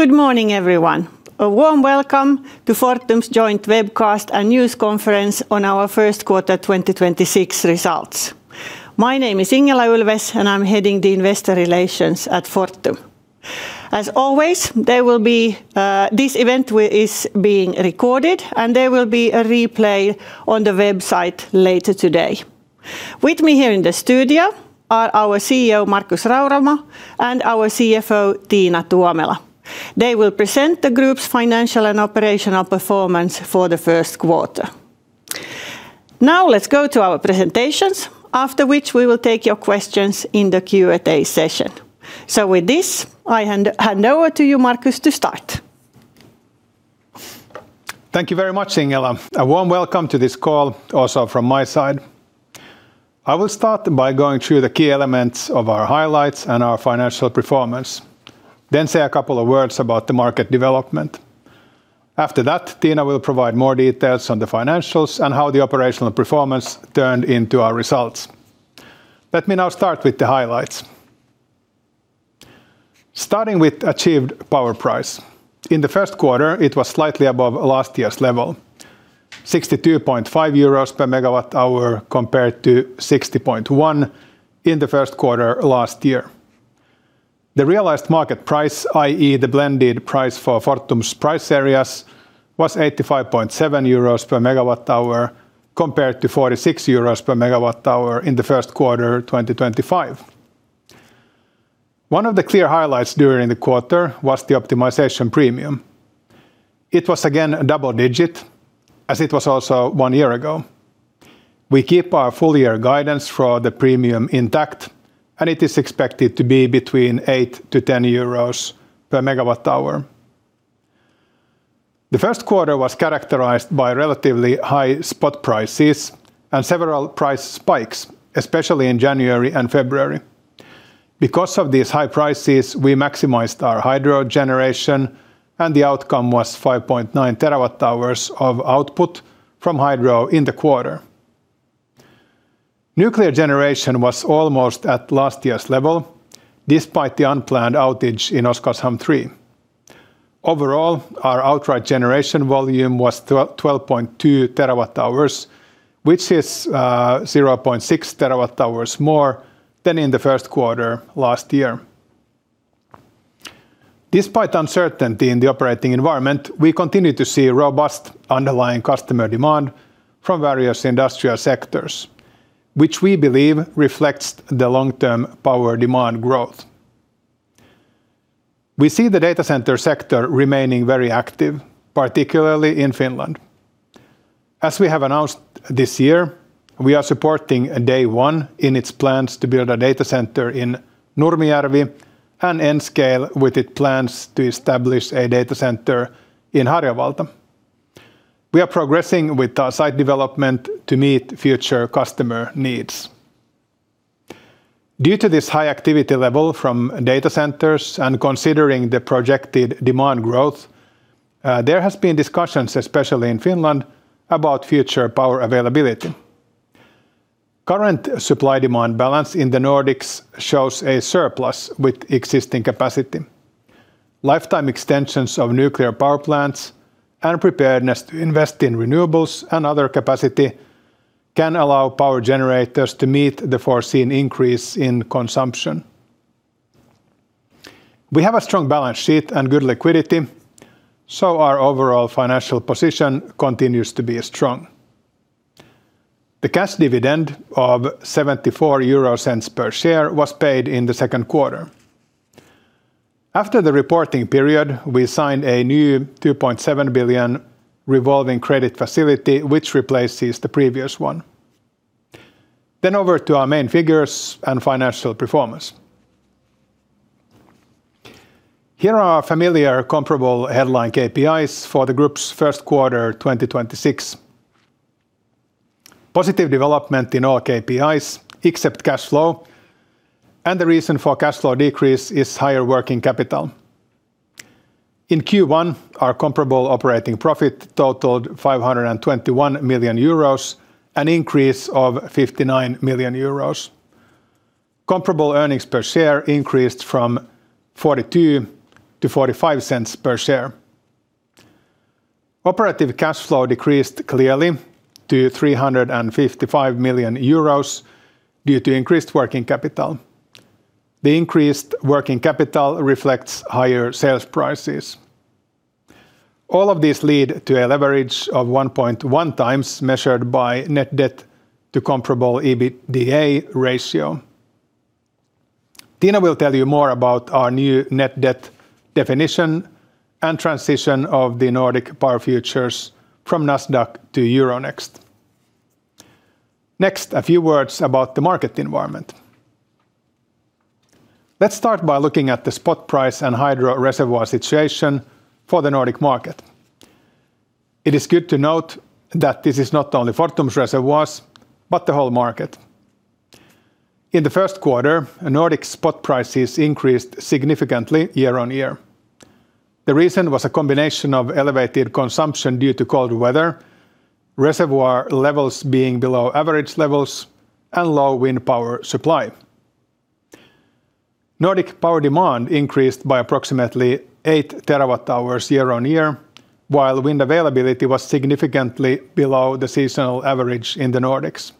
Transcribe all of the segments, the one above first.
Good morning, everyone. A warm welcome to Fortum's joint webcast and news conference on our first quarter 2026 results. My name is Ingela Ulfves, and I'm heading the Investor Relations at Fortum. As always, this event is being recorded, and there will be a replay on the website later today. With me here in the studio are our CEO Markus Rauramo and our CFO Tiina Tuomela. They will present the group's financial and operational performance for the first quarter. Let's go to our presentations after which we will take your questions in the Q&A session. With this, I hand over to you Markus to start. Thank you very much, Ingela. A warm welcome to this call also from my side. I will start by going through the key elements of our highlights and our financial performance, then say a couple of words about the market development. After that, Tiina will provide more details on the financials and how the operational performance turned into our results. Let me now start with the highlights. Starting with achieved power price. In the first quarter, it was slightly above last year's level, 62.5 euros per MWh compared to 60.1 in the first quarter last year. The realized market price, i.e. the blended price for Fortum's price areas, was 85.7 euros per MWh compared to 46 euros per MWh in the first quarter 2025. One of the clear highlights during the quarter was the optimization premium. It was again double digit, as it was also 1 year ago. We keep our full year guidance for the premium intact, and it is expected to be between 8-10 euros per MWh. The first quarter was characterized by relatively high spot prices and several price spikes, especially in January and February. Because of these high prices, we maximized our hydro generation, and the outcome was 5.9 TWh of output from hydro in the quarter. Nuclear generation was almost at last year's level despite the unplanned outage in Oskarshamn 3. Overall, our outright generation volume was 12.2 TWh, which is 0.6 TWh more than in the first quarter last year. Despite uncertainty in the operating environment, we continue to see robust underlying customer demand from various industrial sectors, which we believe reflects the long-term power demand growth. We see the data center sector remaining very active, particularly in Finland. As we have announced this year, we are supporting DayOne in its plans to build a data center in Nurmijärvi and nScale Group with it plans to establish a data center in Harjavalta. We are progressing with our site development to meet future customer needs. Due to this high activity level from data centers and considering the projected demand growth, there has been discussions, especially in Finland, about future power availability. Current supply demand balance in the Nordics shows a surplus with existing capacity. Lifetime extensions of nuclear power plants and preparedness to invest in renewables and other capacity can allow power generators to meet the foreseen increase in consumption. We have a strong balance sheet and good liquidity, so our overall financial position continues to be strong. The cash dividend of 0.74 per share was paid in the second quarter. After the reporting period, we signed a new 2.7 billion revolving credit facility which replaces the previous one. Over to our main figures and financial performance. Here are our familiar comparable headline KPIs for the group's first quarter 2026. Positive development in all KPIs except cash flow and the reason for cash flow decrease is higher working capital. In Q1, our comparable operating profit totaled 521 million euros, an increase of 59 million euros. Comparable earnings per share increased from 0.42 to 0.45 per share. Operative cash flow decreased clearly to 355 million euros due to increased working capital. The increased working capital reflects higher sales prices. All of these lead to a leverage of 1.1x measured by net debt to comparable EBITDA ratio. Tiina will tell you more about our new net debt definition and transition of the Nordic Power Futures from Nasdaq to Euronext. Next, a few words about the market environment. Let's start by looking at the spot price and hydro reservoir situation for the Nordic market. It is good to note that this is not only Fortum's reservoirs but the whole market. In the first quarter, Nordic spot prices increased significantly year-on-year. The reason was a combination of elevated consumption due to cold weather. Reservoir levels being below average levels and low wind power supply. Nordic power demand increased by approximately 8 TWh year-on-year, while wind availability was significantly below the seasonal average in the Nordics.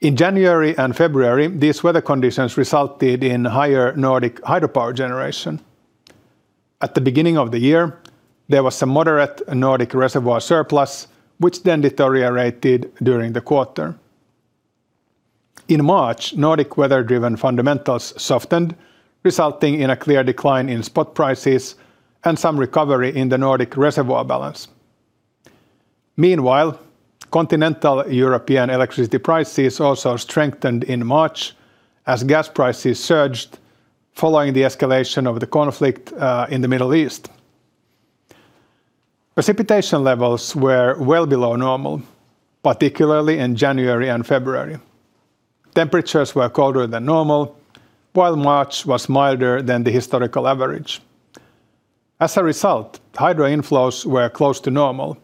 In January and February, these weather conditions resulted in higher Nordic hydropower generation. At the beginning of the year, there was some moderate Nordic reservoir surplus, which then deteriorated during the quarter. In March, Nordic weather-driven fundamentals softened, resulting in a clear decline in spot prices and some recovery in the Nordic reservoir balance. Meanwhile, continental European electricity prices also strengthened in March as gas prices surged following the escalation of the conflict in the Middle East. Precipitation levels were well below normal, particularly in January and February. Temperatures were colder than normal, while March was milder than the historical average. As a result, hydro inflows were close to normal,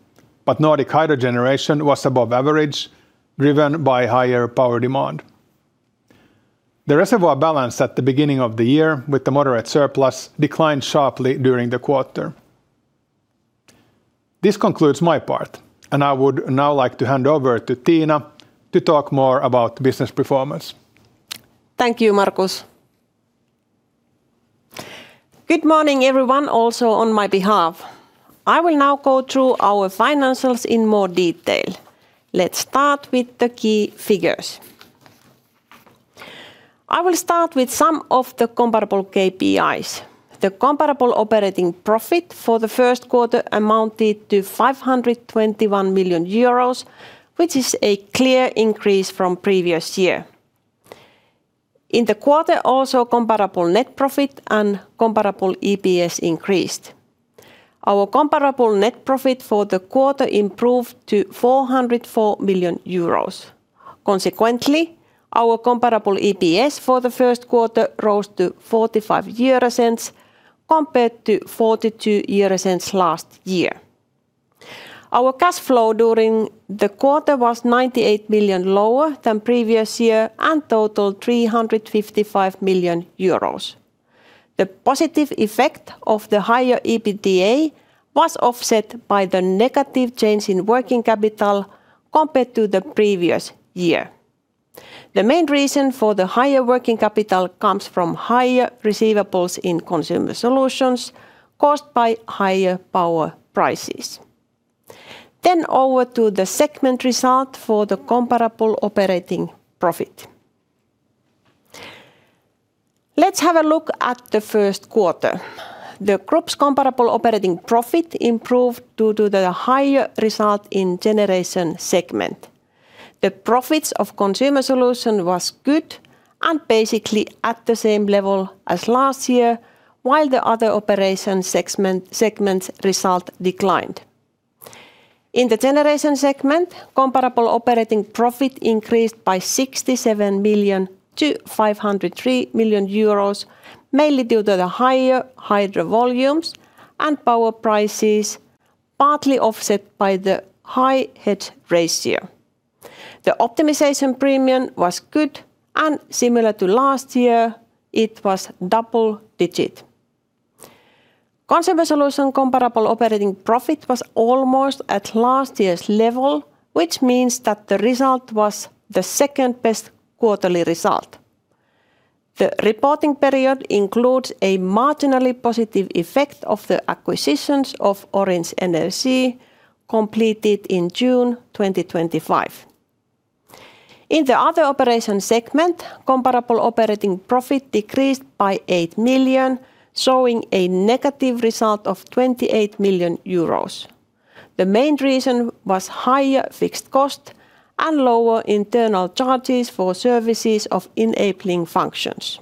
but Nordic hydro generation was above average, driven by higher power demand. The reservoir balance at the beginning of the year with the moderate surplus declined sharply during the quarter. This concludes my part, and I would now like to hand over to Tiina to talk more about business performance. Thank you, Markus. Good morning, everyone, also on my behalf. I will now go through our financials in more detail. Let's start with the key figures. I will start with some of the comparable KPIs. The comparable operating profit for the first quarter amounted to 521 million euros, which is a clear increase from previous year. In the quarter, also, comparable net profit and comparable EPS increased. Our comparable net profit for the quarter improved to 404 million euros. Consequently, our comparable EPS for the first quarter rose to 0.45 compared to 0.42 last year. Our cash flow during the quarter was 98 million lower than previous year and totaled 355 million euros. The positive effect of the higher EBITDA was offset by the negative change in working capital compared to the previous year. The main reason for the higher working capital comes from higher receivables in Consumer Solutions caused by higher power prices. Over to the segment result for the comparable operating profit. Let's have a look at the first quarter. The group's comparable operating profit improved due to the higher result in Generation segment. The profits of Consumer Solutions was good and basically at the same level as last year, while the other operation segments result declined. In the Generation segment, comparable operating profit increased by 67 million to 503 million euros, mainly due to the higher hydro volumes and power prices, partly offset by the high hedge ratio. The optimization premium was good and similar to last year, it was double digit. Consumer Solutions comparable operating profit was almost at last year's level, which means that the result was the second best quarterly result. The reporting period includes a marginally positive effect of the acquisitions of Orange Energia completed in June 2025. In the other operation segment, comparable operating profit decreased by 8 million, showing a negative result of 28 million euros. The main reason was higher fixed cost and lower internal charges for services of enabling functions.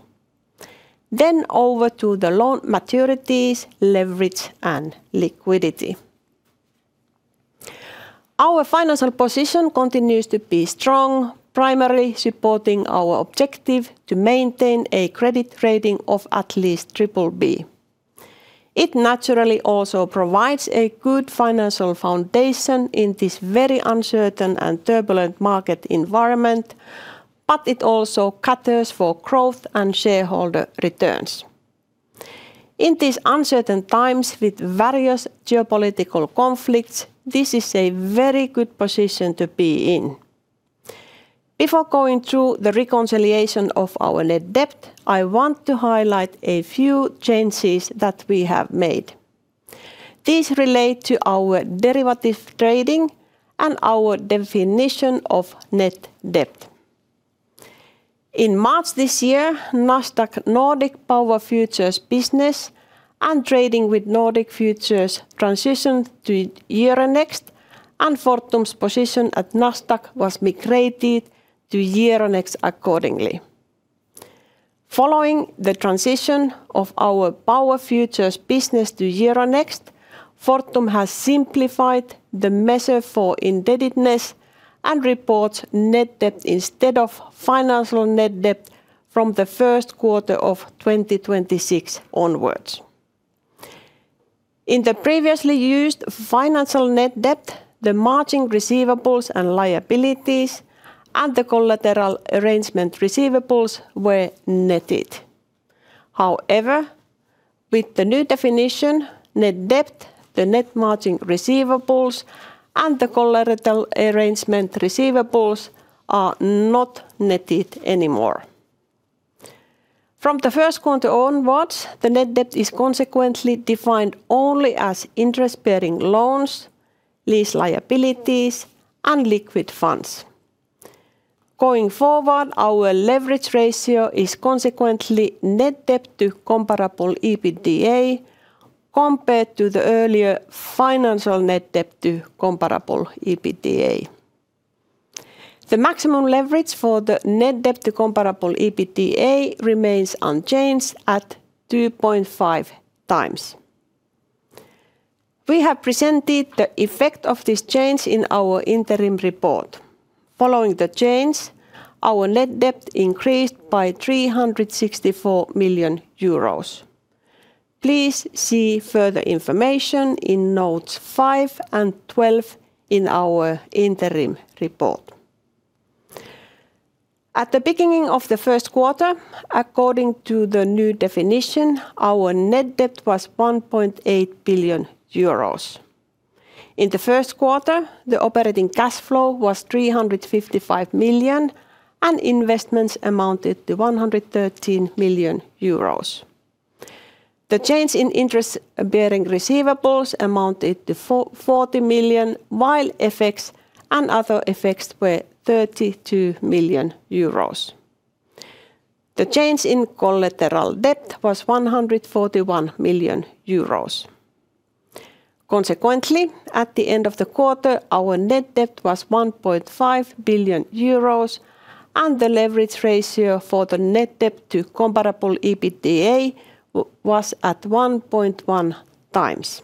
Over to the loan maturities, leverage, and liquidity. Our financial position continues to be strong, primarily supporting our objective to maintain a credit rating of at least triple B. It naturally also provides a good financial foundation in this very uncertain and turbulent market environment, but it also caters for growth and shareholder returns. In these uncertain times with various geopolitical conflicts, this is a very good position to be in. Before going through the reconciliation of our net debt, I want to highlight a few changes that we have made. These relate to our derivative trading and our definition of net debt. In March this year, Nasdaq Nordic Power Futures business and trading with Nordic Power Futures transitioned to Euronext and Fortum's position at Nasdaq was migrated to Euronext accordingly. Following the transition of our power futures business to Euronext, Fortum has simplified the measure for indebtedness and reports net debt instead of financial net debt from the first quarter of 2026 onwards. In the previously used financial net debt, the margin receivables and liabilities and the collateral arrangement receivables were netted. With the new definition, net debt, the net margin receivables, and the collateral arrangement receivables are not netted anymore. From the first quarter onwards, the net debt is consequently defined only as interest-bearing loans, lease liabilities, and liquid funds. Going forward, our leverage ratio is consequently net debt to comparable EBITDA compared to the earlier financial net debt to comparable EBITDA. The maximum leverage for the net debt to comparable EBITDA remains unchanged at 2.5x. We have presented the effect of this change in our interim report. Following the change, our net debt increased by 364 million euros. Please see further information in notes 5 and 12 in our interim report. At the beginning of the first quarter, according to the new definition, our net debt was 1.8 billion euros. In the first quarter, the operating cash flow was 355 million, and investments amounted to 113 million euros. The change in interest bearing receivables amounted to 40 million, while effects and other effects were 32 million euros. The change in collateral debt was 141 million euros. Consequently, at the end of the quarter, our net debt was 1.5 billion euros, and the leverage ratio for the net debt to comparable EBITDA was at 1.1x.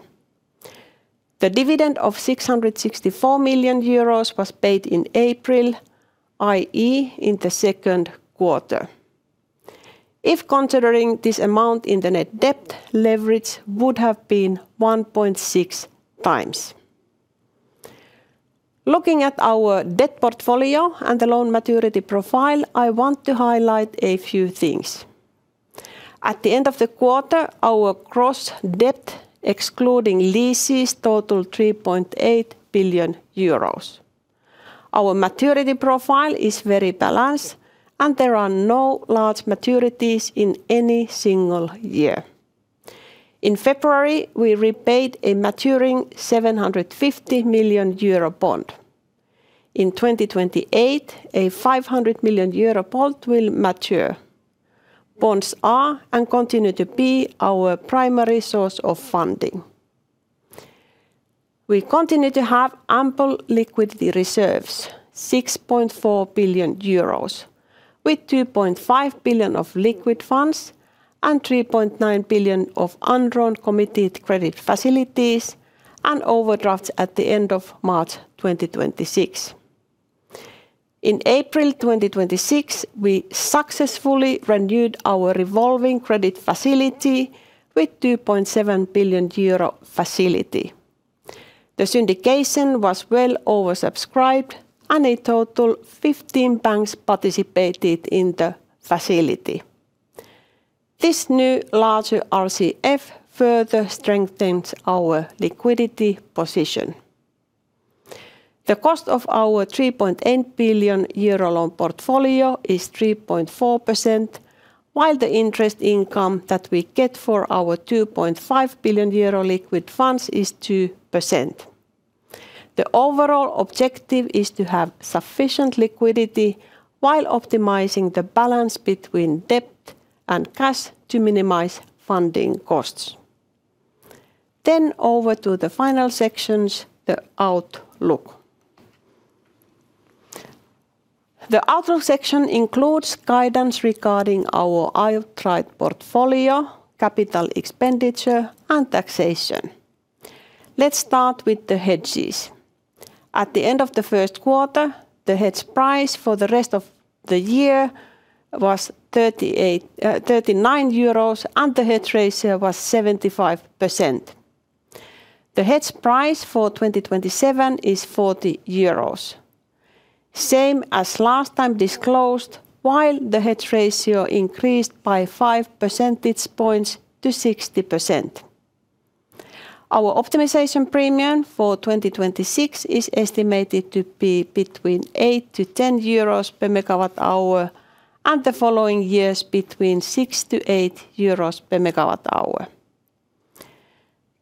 The dividend of 664 million euros was paid in April, i.e., in the second quarter. If considering this amount in the net debt, leverage would have been 1.6x. Looking at our debt portfolio and the loan maturity profile, I want to highlight a few things. At the end of the quarter, our gross debt, excluding leases, totaled 3.8 billion euros. Our maturity profile is very balanced, and there are no large maturities in any single year. In February, we repaid a maturing 750 million euro bond. In 2028, a 500 million euro bond will mature. Bonds are and continue to be our primary source of funding. We continue to have ample liquidity reserves, 6.4 billion euros, with 2.5 billion of liquid funds and 3.9 billion of undrawn committed credit facilities and overdrafts at the end of March 2026. In April 2026, we successfully renewed our revolving credit facility with 2.7 billion euro facility. The syndication was well oversubscribed. A total 15 banks participated in the facility. This new larger RCF further strengthens our liquidity position. The cost of our 3.8 billion euro loan portfolio is 3.4%, while the interest income that we get for our 2.5 billion euro liquid funds is 2%. The overall objective is to have sufficient liquidity while optimizing the balance between debt and cash to minimize funding costs. Over to the final sections, the outlook. The outlook section includes guidance regarding our Uniper portfolio, capital expenditure, and taxation. Let's start with the hedges. At the end of the first quarter, the hedge price for the rest of the year was 38,39 euros, and the hedge ratio was 75%. The hedge price for 2027 is 40 euros. Same as last time disclosed, while the hedge ratio increased by 5 percentage points to 60%. Our optimization premium for 2026 is estimated to be between 8-10 euros per MWh and the following years between 6-8 euros per MWh.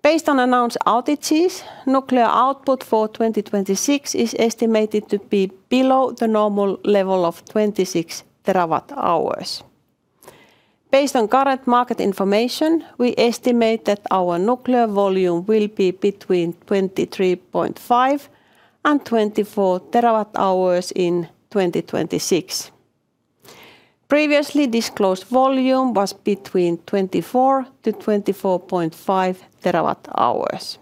Based on announced outages, nuclear output for 2026 is estimated to be below the normal level of 26 TWh. Based on current market information, we estimate that our nuclear volume will be between 23.5 TWh and 24 TWh in 2026. Previously disclosed volume was between 24-24.5 TWh.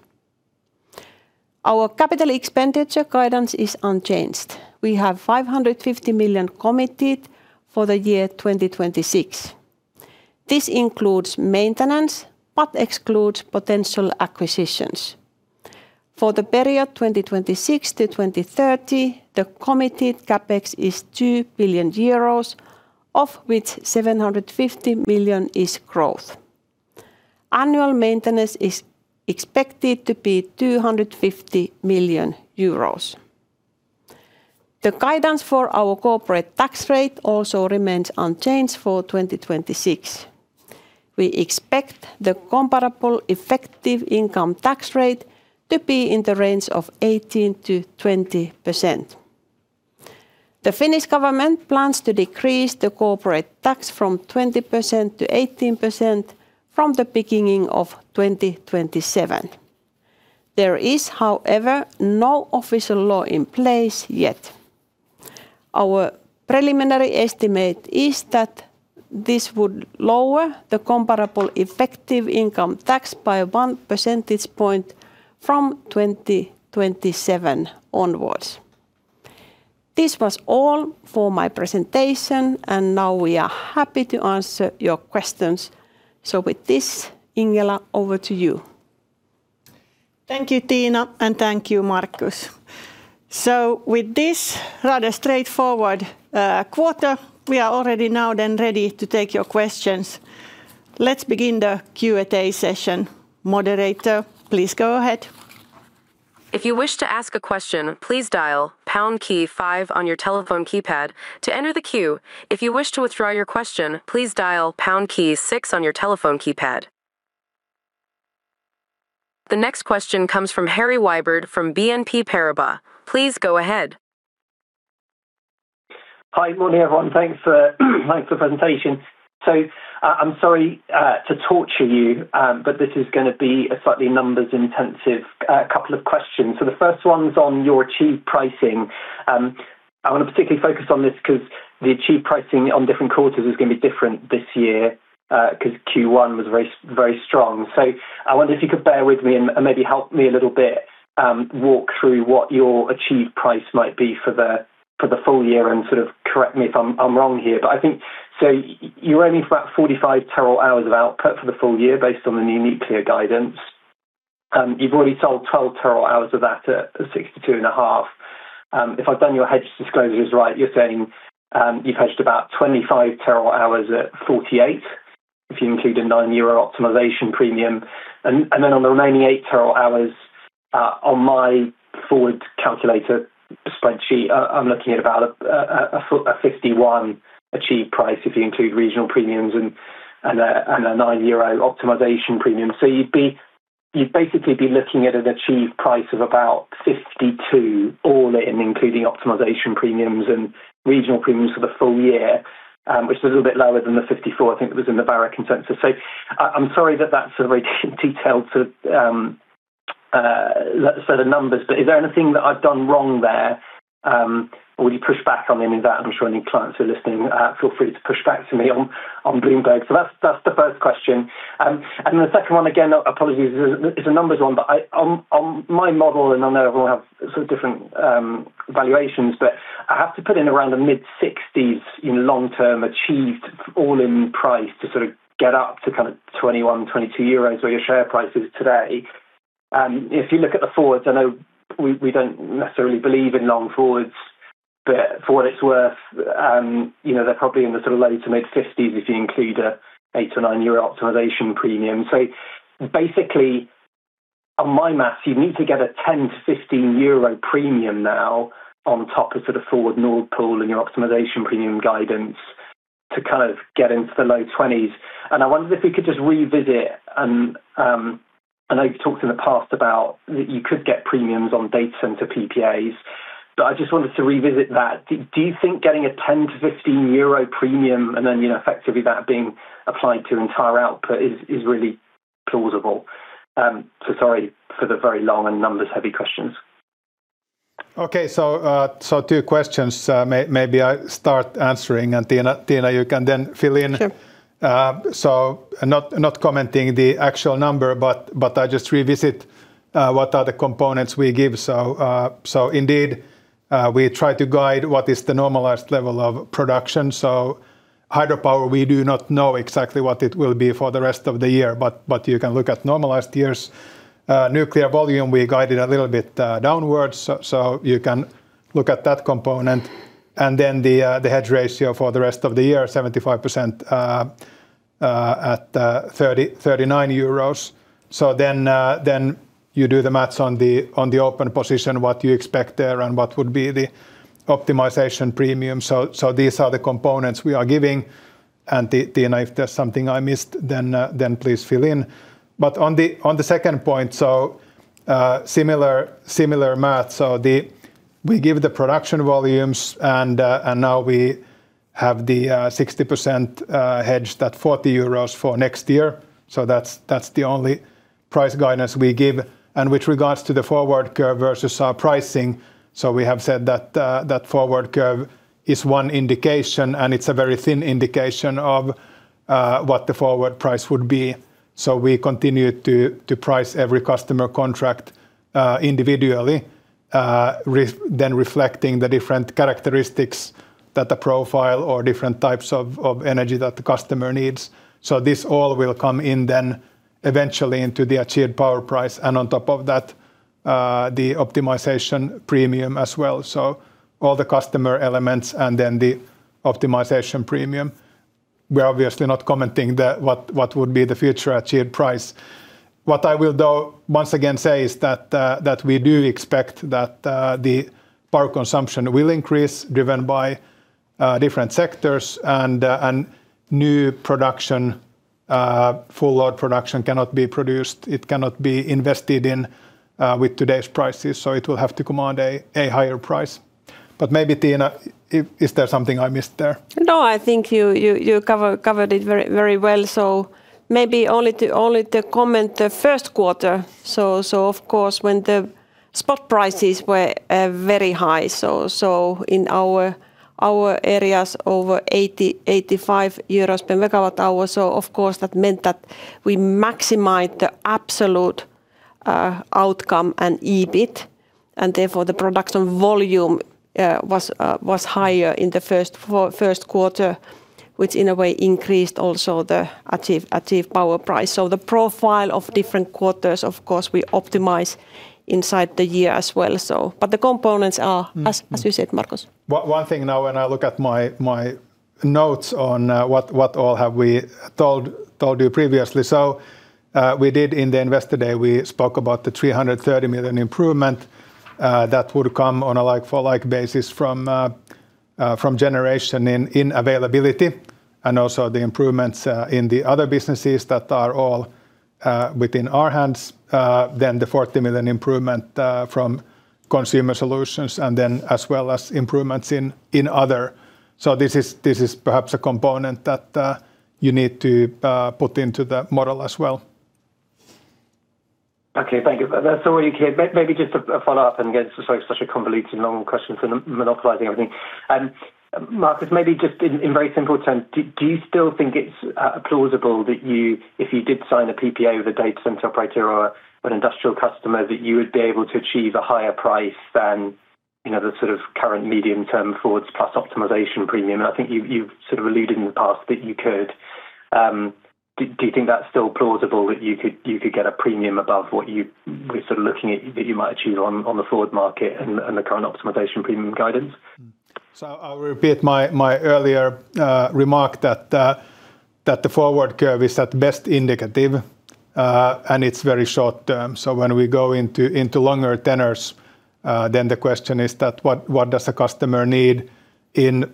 Our CapEx guidance is unchanged. We have 550 million committed for the year 2026. This includes maintenance, but excludes potential acquisitions. For the period 2026-2030, the committed CapEx is 2 billion euros, of which 750 million is growth. Annual maintenance is expected to be 250 million euros. The guidance for our corporate tax rate also remains unchanged for 2026. We expect the comparable effective income tax rate to be in the range of 18%-20%. The Finnish government plans to decrease the corporate tax from 20% to 18% from the beginning of 2027. There is, however, no official law in place yet. Our preliminary estimate is that this would lower the comparable effective income tax by 1 percentage point from 2027 onwards. This was all for my presentation. Now we are happy to answer your questions. With this, Ingela, over to you. Thank you, Tiina, and thank you, Markus. With this rather straightforward quarter, we are already now then ready to take your questions. Let's begin the Q&A session. Moderator, please go ahead. If you wish to ask a question, please dial pound key 5 on your telephone keypad to enter the queue. If you wish to withdraw your question, please dial pound key 6 on your telephone keypad. The next question comes from Harry Wyburd from BNP Paribas. Please go ahead. Hi. Morning, everyone. Thanks for the presentation. I'm sorry to torture you, this is going to be a slightly numbers intensive couple of questions. The first one's on your achieved pricing. I want to particularly focus on this because the achieved pricing on different quarters is going to be different this year, because Q1 was very strong. I wonder if you could bear with me and maybe help me a little bit walk through what your achieved price might be for the full year, and sort of correct me if I'm wrong here. I think you're aiming for about 45 TWh of output for the full year based on the new nuclear guidance. You've already sold 12 TWh of that at 62.5. If I've done your hedge disclosures right, you're saying, you've hedged about 25 TWh at 48, if you include a EUR 9 optimization premium. Then on the remaining 8 TWh, on my forward calculator spreadsheet, I'm looking at about a 51 achieved price if you include regional premiums and a 9 euro optimization premium. You'd basically be looking at an achieved price of about 52 all in, including optimization premiums and regional premiums for the full year, which is a little bit lower than the 54 I think that was in the Vara consensus. I'm sorry that that's a very detailed set of numbers, but is there anything that I've done wrong there, or would you push back on any of that? I'm sure any clients who are listening, feel free to push back to me on Bloomberg. That's the first question. Then the second one, again, apologies, this is a numbers one, but on my model, and I know everyone will have sort of different valuations, but I have to put in around the mid-60s in long-term achieved all-in price to sort of get up to kind of 21, 22 euros where your share price is today. If you look at the forwards, I know we don't necessarily believe in long forwards, but for what it's worth, you know, they're probably in the sort of low to mid-50s if you include a 8 or 9 euro optimization premium. Basically, on my math, you'd need to get a 10-15 euro premium now on top of sort of forward Nord Pool and your optimization premium guidance to kind of get into the low 20s. I wondered if we could just revisit and I know you've talked in the past about that you could get premiums on data center PPAs, but I just wanted to revisit that. Do you think getting a 10-15 euro premium and then, you know, effectively that being applied to entire output is really plausible? Sorry for the very long and numbers-heavy questions. Okay. Two questions. Maybe I start answering, and Tiina, you can then fill in. Sure. Not commenting the actual number, but I just revisit what are the components we give. Indeed, we try to guide what is the normalized level of production. Hydropower, we do not know exactly what it will be for the rest of the year, but you can look at normalized years. Nuclear volume, we guided a little bit downwards, so you can look at that component. Then the hedge ratio for the rest of the year, 75%, at 39 euros. Then you do the math's on the open position, what you expect there and what would be the optimization premium. These are the components we are giving. Tiina, if there's something I missed, then please fill in. On the, on the second point, similar math. We give the production volumes and now we have the 60% hedged at 40 euros for next year. That's the only Price guidance we give and with regards to the forward curve versus our pricing. We have said that that forward curve is one indication, and it's a very thin indication of what the forward price would be. We continue to price every customer contract individually, then reflecting the different characteristics that the profile or different types of energy that the customer needs. This all will come in then eventually into the achieved power price and on top of that, the optimization premium as well. All the customer elements and then the optimization premium. We're obviously not commenting what would be the future achieved price. What I will, though, once again say is that we do expect that the power consumption will increase, driven by different sectors and new production. Full load production cannot be produced. It cannot be invested in with today's prices, so it will have to command a higher price. Maybe, Tiina, is there something I missed there? No, I think you covered it very, very well. Only to comment the first quarter. Of course, when the spot prices were very high, in our areas over EUR 80,EUR 85 per MWh. Of course that meant that we maximize the absolute outcome and EBIT. Therefore, the production volume was higher in the first quarter, which in a way increased also the achieved power price. The profile of different quarters, of course, we optimize inside the year as well. The components are as you said, Markus. One thing now when I look at my notes on what all have we told you previously. We did in the Investor Day, we spoke about the 330 million improvement that would come on a like-for-like basis from generation in availability and also the improvements in the other businesses that are all within our hands. The 40 million improvement from Consumer Solutions and as well as improvements in other. This is perhaps a component that you need to put into the model as well. Okay. Thank you. Maybe just a follow-up and again, so sorry, such a convoluted, long question for monopolizing everything. Markus, maybe just in very simple terms, do you still think it's plausible that you, if you did sign a PPA with a data center operator or an industrial customer, that you would be able to achieve a higher price than, you know, the sort of current medium-term forwards plus optimization premium? I think you've sort of alluded in the past that you could. Do you think that's still plausible that you could get a premium above what you were sort of looking at, that you might achieve on the forward market and the current optimization premium guidance? I'll repeat my earlier remark that the forward curve is at best indicative, and it's very short term. When we go into longer tenors, then the question is that what does a customer need in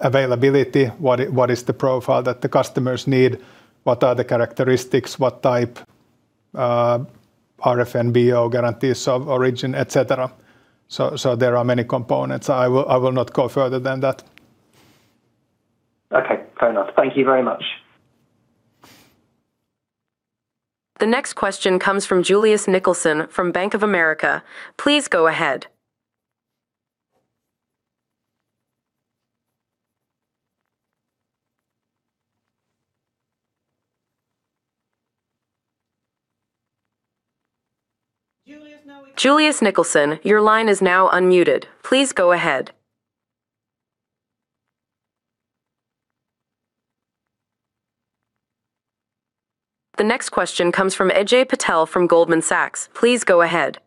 availability? What is what is the profile that the customers need? What are the characteristics? What type, RFNBO guarantees of origin, et cetera. There are many components. I will not go further than that. Okay, fair enough. Thank you very much. The next question comes from Julius Nickelsen from Bank of America. Please go ahead. Please go ahead. The next question comes from Ajay Patel from Goldman Sachs. Please go ahead.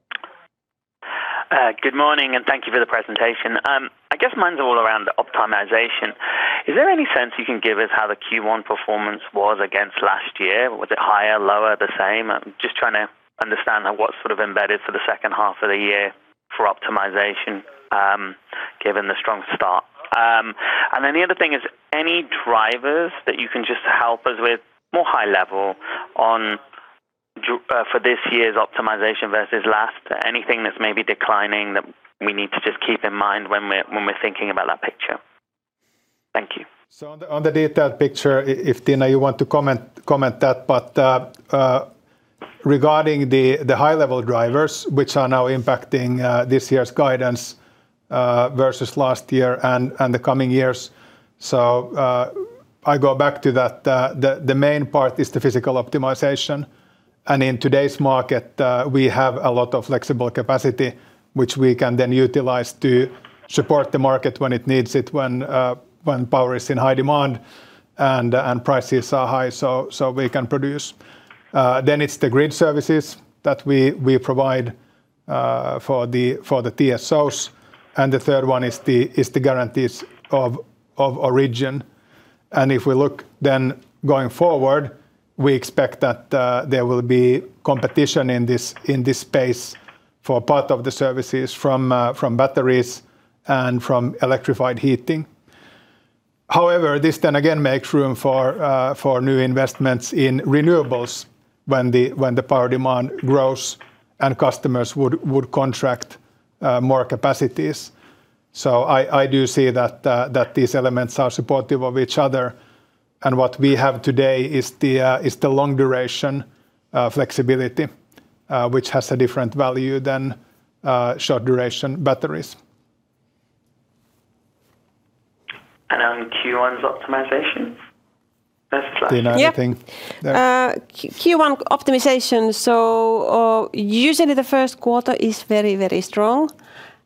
Good morning, and thank you for the presentation. I guess mine's all around the optimization. Is there any sense you can give us how the Q1 performance was against last year? Was it higher, lower, the same? I'm just trying to understand what's sort of embedded for the second half of the year for optimization, given the strong start. Then the other thing is any drivers that you can just help us with, more high level, for this year's optimization versus last? Anything that's maybe declining that we need to just keep in mind when we're thinking about that picture. Thank you. On the detailed picture, if, Tiina, you want to comment that. Regarding the high level drivers, which are now impacting this year's guidance versus last year and the coming years. I go back to that. The main part is the physical optimization. In today's market, we have a lot of flexible capacity, which we can then utilize to support the market when it needs it, when power is in high demand and prices are high, so we can produce. Then it's the grid services that we provide for the TSOs. The third one is the guarantees of origin. If we look then going forward, we expect that there will be competition in this space for part of the services from batteries and from electrified heating. However, this then again makes room for new investments in renewables when the power demand grows and customers would contract more capacities. I do see that these elements are supportive of each other. What we have today is the long duration flexibility, which has a different value than short duration batteries. On Q1's optimizations. First slide. Tiina. Do you know anything there? Q1 optimization. Usually, the first quarter is very strong.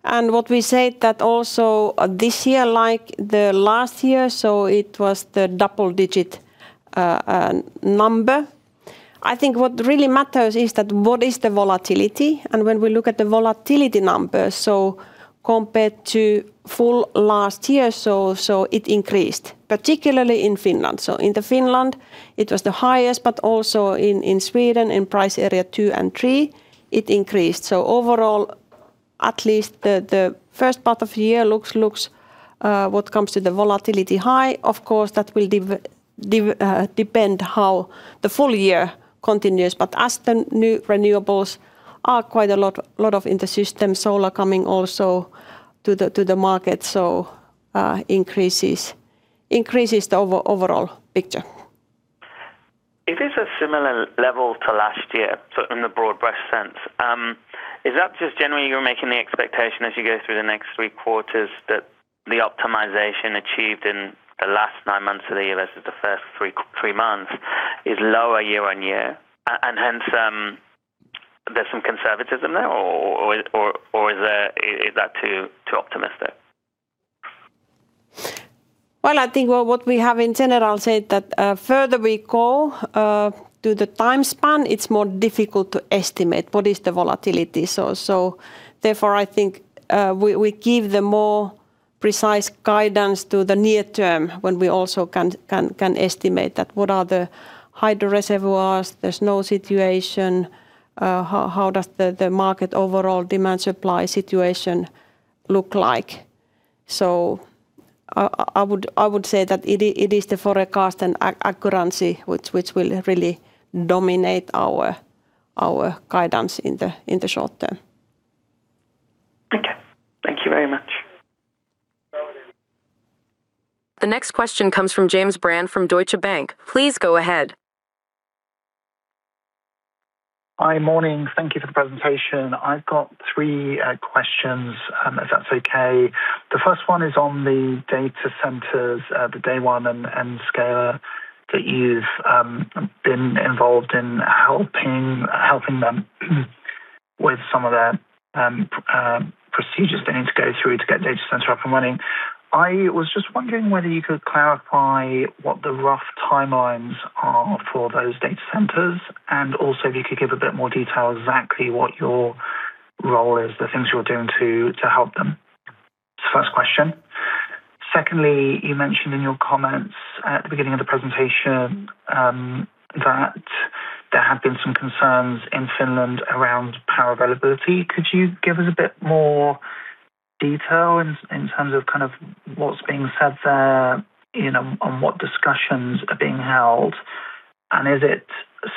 What we said that also this year like the last year, it was the double-digit number. I think what really matters is that what is the volatility. When we look at the volatility numbers, compared to full last year, it increased, particularly in Finland. In Finland it was the highest, but also in Sweden in price area 2 and 3 it increased. Overall, at least the 1st part of the year looks what comes to the volatility high. Of course, that will depend how the full year continues. As the new renewables are quite a lot of in the system, solar coming also to the market, increases the overall picture. If it's a similar level to last year, in the broad brush sense, is that just generally you're making the expectation as you go through the next 3 quarters that the optimization achieved in the last 9 months of the year versus the first 3 months is lower year-on-year? And hence, there's some conservatism there or is that too optimistic? Well, I think what we have in general said that, further we go to the time span, it is more difficult to estimate what is the volatility. Therefore, I think, we give the more precise guidance to the near term when we also can estimate that what are the hydro reservoirs, the snow situation, how does the market overall demand supply situation look like. I would say that it is the forecast and accuracy which will really dominate our guidance in the short-term. Okay. Thank you very much. The next question comes from James Brand from Deutsche Bank. Please go ahead. Hi. Morning. Thank you for the presentation. I've got three questions, if that's okay. The first one is on the data centers, the DayOne and Nscale that you've been involved in helping them with some of their procedures they need to go through to get data center up and running. I was just wondering whether you could clarify what the rough timelines are for those data centers and also if you could give a bit more detail exactly what your role is, the things you're doing to help them. That's the first question. Secondly, you mentioned in your comments at the beginning of the presentation that there have been some concerns in Finland around power availability. Could you give us a bit more detail in terms of what's being said there, you know, on what discussions are being held? Is it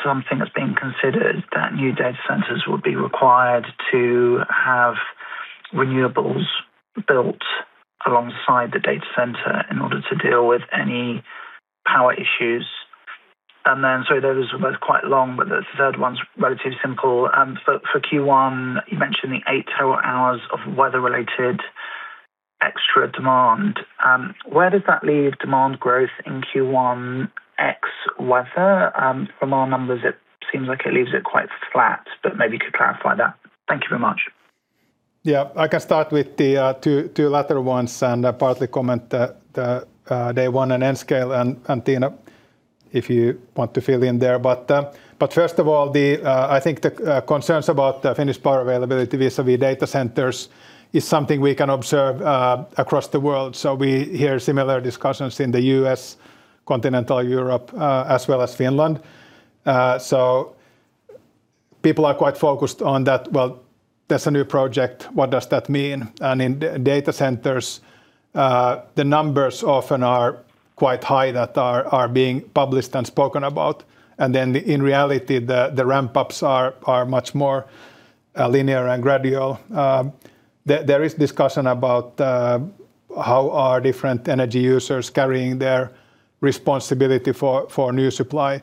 something that's being considered that new data centers will be required to have renewables built alongside the data center in order to deal with any power issues? Those were both quite long, but the third one's relatively simple. For Q1, you mentioned the 8 total hours of weather-related extra demand. Where does that leave demand growth in Q1 ex weather? From our numbers, it seems like it leaves it quite flat, but maybe you could clarify that. Thank you very much. Yeah. I can start with the two latter ones and partly comment that DayOne and Nscale and Tiina if you want to fill in there. First of all, I think the concerns about the Finnish power availability vis-a-vis data centers is something we can observe across the world. We hear similar discussions in the U.S., Continental Europe, as well as Finland. People are quite focused on that. Well, there's a new project. What does that mean? In data centers, the numbers often are quite high that are being published and spoken about. In reality the ramp ups are much more linear and gradual. There is discussion about how different energy users are carrying their responsibility for new supply.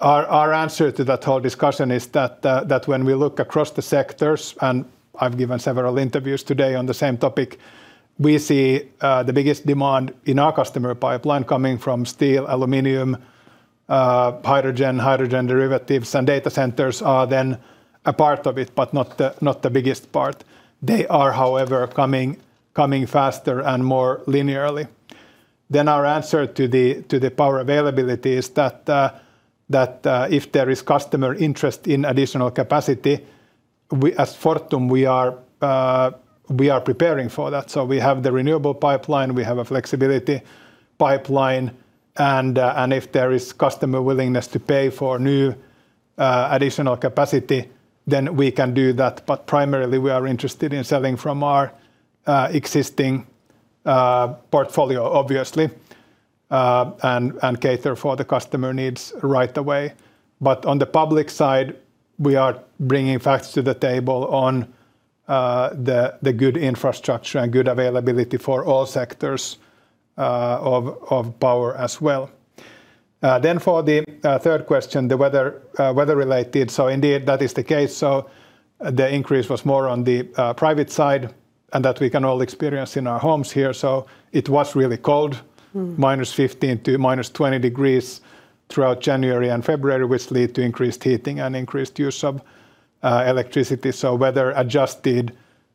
Our answer to that whole discussion is that when we look across the sectors, and I've given several interviews today on the same topic, we see the biggest demand in our customer pipeline coming from steel, aluminum, hydrogen derivatives and data centers are then a part of it, but not the biggest part. They are, however, coming faster and more linearly. Our answer to the power availability is that if there is customer interest in additional capacity, at Fortum we are preparing for that. We have the renewable pipeline, we have a flexibility pipeline, and if there is customer willingness to pay for new additional capacity, we can do that. Primarily we are interested in selling from our existing portfolio, obviously. Cater for the customer needs right away. On the public side, we are bringing facts to the table on the good infrastructure and good availability for all sectors of power as well. Then for the third question, the weather-related. Indeed, that is the case. The increase was more on the private side, and that we can all experience in our homes here. It was really cold. Minus 15 to minus 20 degrees throughout January and February, which lead to increased heating and increased use of electricity. Weather-adjusted,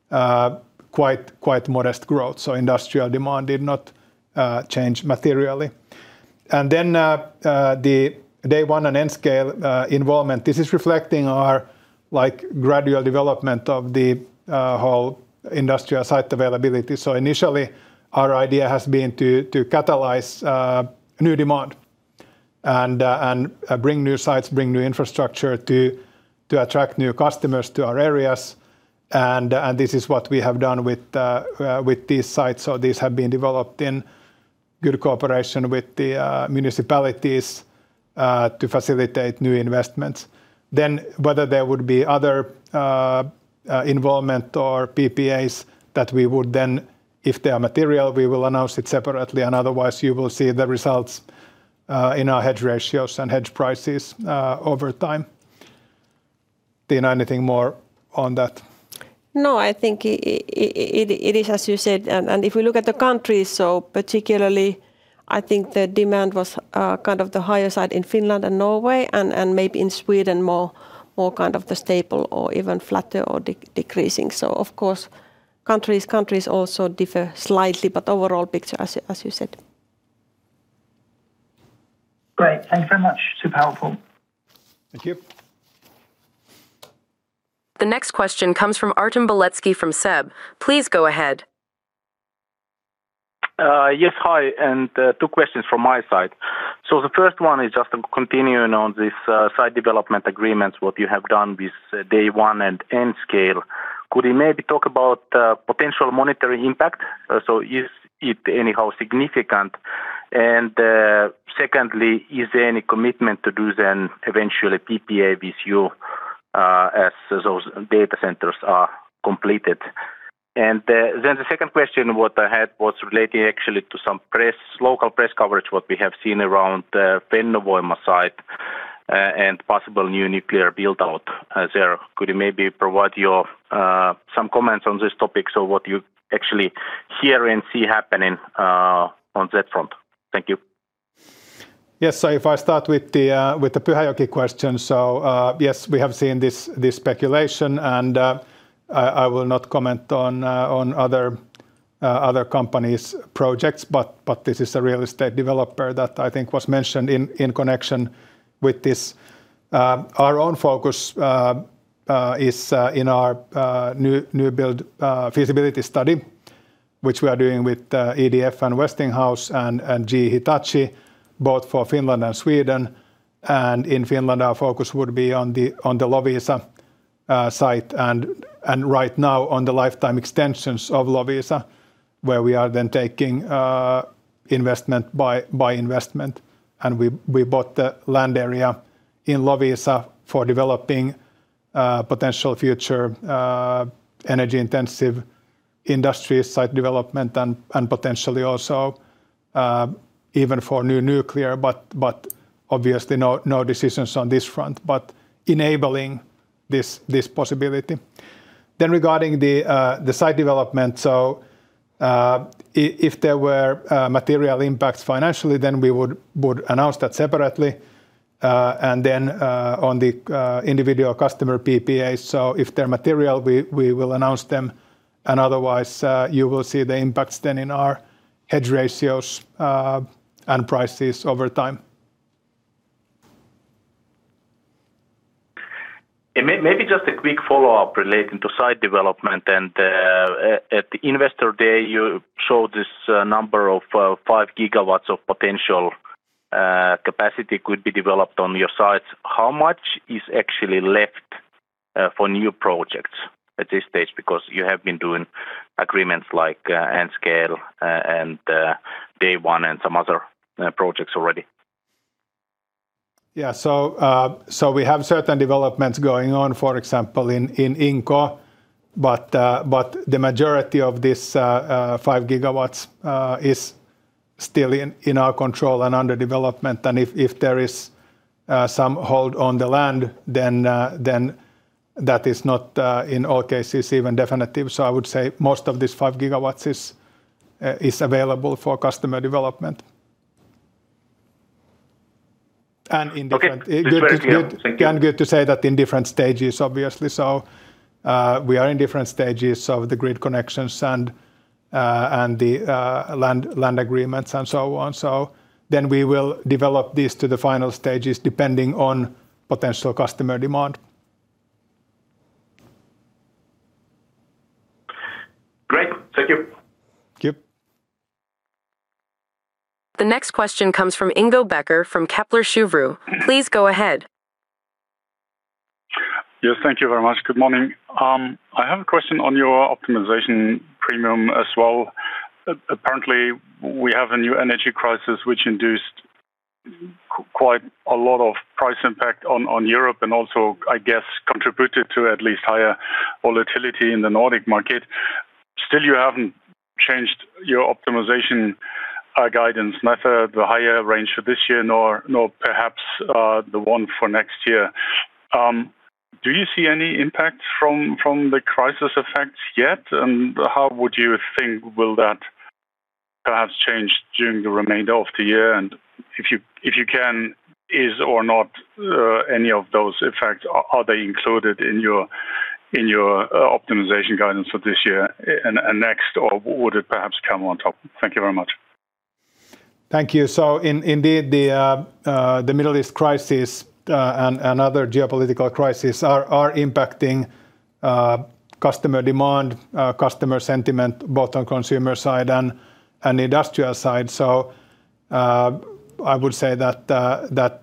quite modest growth. Industrial demand did not change materially. The DayOne and Nscale involvement. This is reflecting our, like, gradual development of the whole industrial site availability. Initially, our idea has been to catalyze new demand and bring new sites, bring new infrastructure to attract new customers to our areas and this is what we have done with these sites. These have been developed in good cooperation with the municipalities to facilitate new investments. Whether there would be other involvement or PPAs that we would then, if they are material, we will announce it separately and otherwise you will see the results in our hedge ratios and hedge prices over time. Tiina, anything more on that? No, I think it is as you said. If we look at the countries, particularly I think the demand was kind of the higher side in Finland and Norway and maybe in Sweden more kind of the stable or even flatter or decreasing. Of course, countries also differ slightly, but overall picture as you said. Great. Thanks very much to powerful. Thank you. The next question comes from Artem Beletski from SEB. Please go ahead. Yes. Hi, and 2 questions from my side. The first 1 is just continuing on this site development agreements, what you have done with DayOne and Nscale. Could you maybe talk about potential monetary impact? Is it anyhow significant? Secondly, is there any commitment to do then eventually PPA with you as those data centers are completed? Then the second question what I had was relating actually to some press, local press coverage, what we have seen around Fennovoima site and possible new nuclear build-out there. Could you maybe provide your some comments on this topic? What you actually hear and see happening on that front? Thank you. Yes. If I start with the with the Pyhäjoki question. Yes, we have seen this speculation, and I will not comment on on other other companies' projects but this is a real estate developer that I think was mentioned in connection with this. Our own focus is in our new new build feasibility study, which we are doing with EDF and Westinghouse and GE Hitachi, both for Finland and Sweden. In Finland, our focus would be on the on the Loviisa site and right now on the lifetime extensions of Loviisa, where we are then taking investment by investment. We bought the land area in Loviisa for developing potential future energy-intensive industry site development and potentially also even for new nuclear, but obviously no decisions on this front. Enabling this possibility. Regarding the site development. If there were material impacts financially, then we would announce that separately. On the individual customer PPA. If they're material, we will announce them, and otherwise, you will see the impacts then in our hedge ratios and prices over time. Maybe just a quick follow-up relating to site development. At the Investor Day, you showed this number of 5 GW of potential capacity could be developed on your sites. How much is actually left for new projects at this stage? You have been doing agreements like Nscale and DayOne and some other projects already. Yeah. We have certain developments going on, for example, in Inkoo, but the majority of this 5 gigawatts is still in our control and under development. If there is some hold on the land then that is not in all cases even definitive. I would say most of these 5 gigawatts is available for customer development. Okay. That's very clear. Thank you. Good to say that in different stages, obviously. We are in different stages of the grid connections and the land agreements and so on. We will develop this to the final stages depending on potential customer demand. Great. Thank you. Yep. The next question comes from Ingo Becker from Kepler Cheuvreux. Please go ahead. Yes, thank you very much. Good morning. I have a question on your optimization premium as well. Apparently, we have a new energy crisis which induced quite a lot of price impact on Europe and also, I guess, contributed to at least higher volatility in the Nordic market. Still, you haven't changed your optimization guidance, neither the higher range for this year nor perhaps the one for next year. Do you see any impact from the crisis effects yet? How would you think will that perhaps change during the remainder of the year? If you can, is or not, any of those effects, are they included in your optimization guidance for this year and next, or would it perhaps come on top? Thank you very much. Thank you. Indeed, the Middle East crisis and other geopolitical crisis are impacting customer demand, customer sentiment, both on consumer side and industrial side. I would say that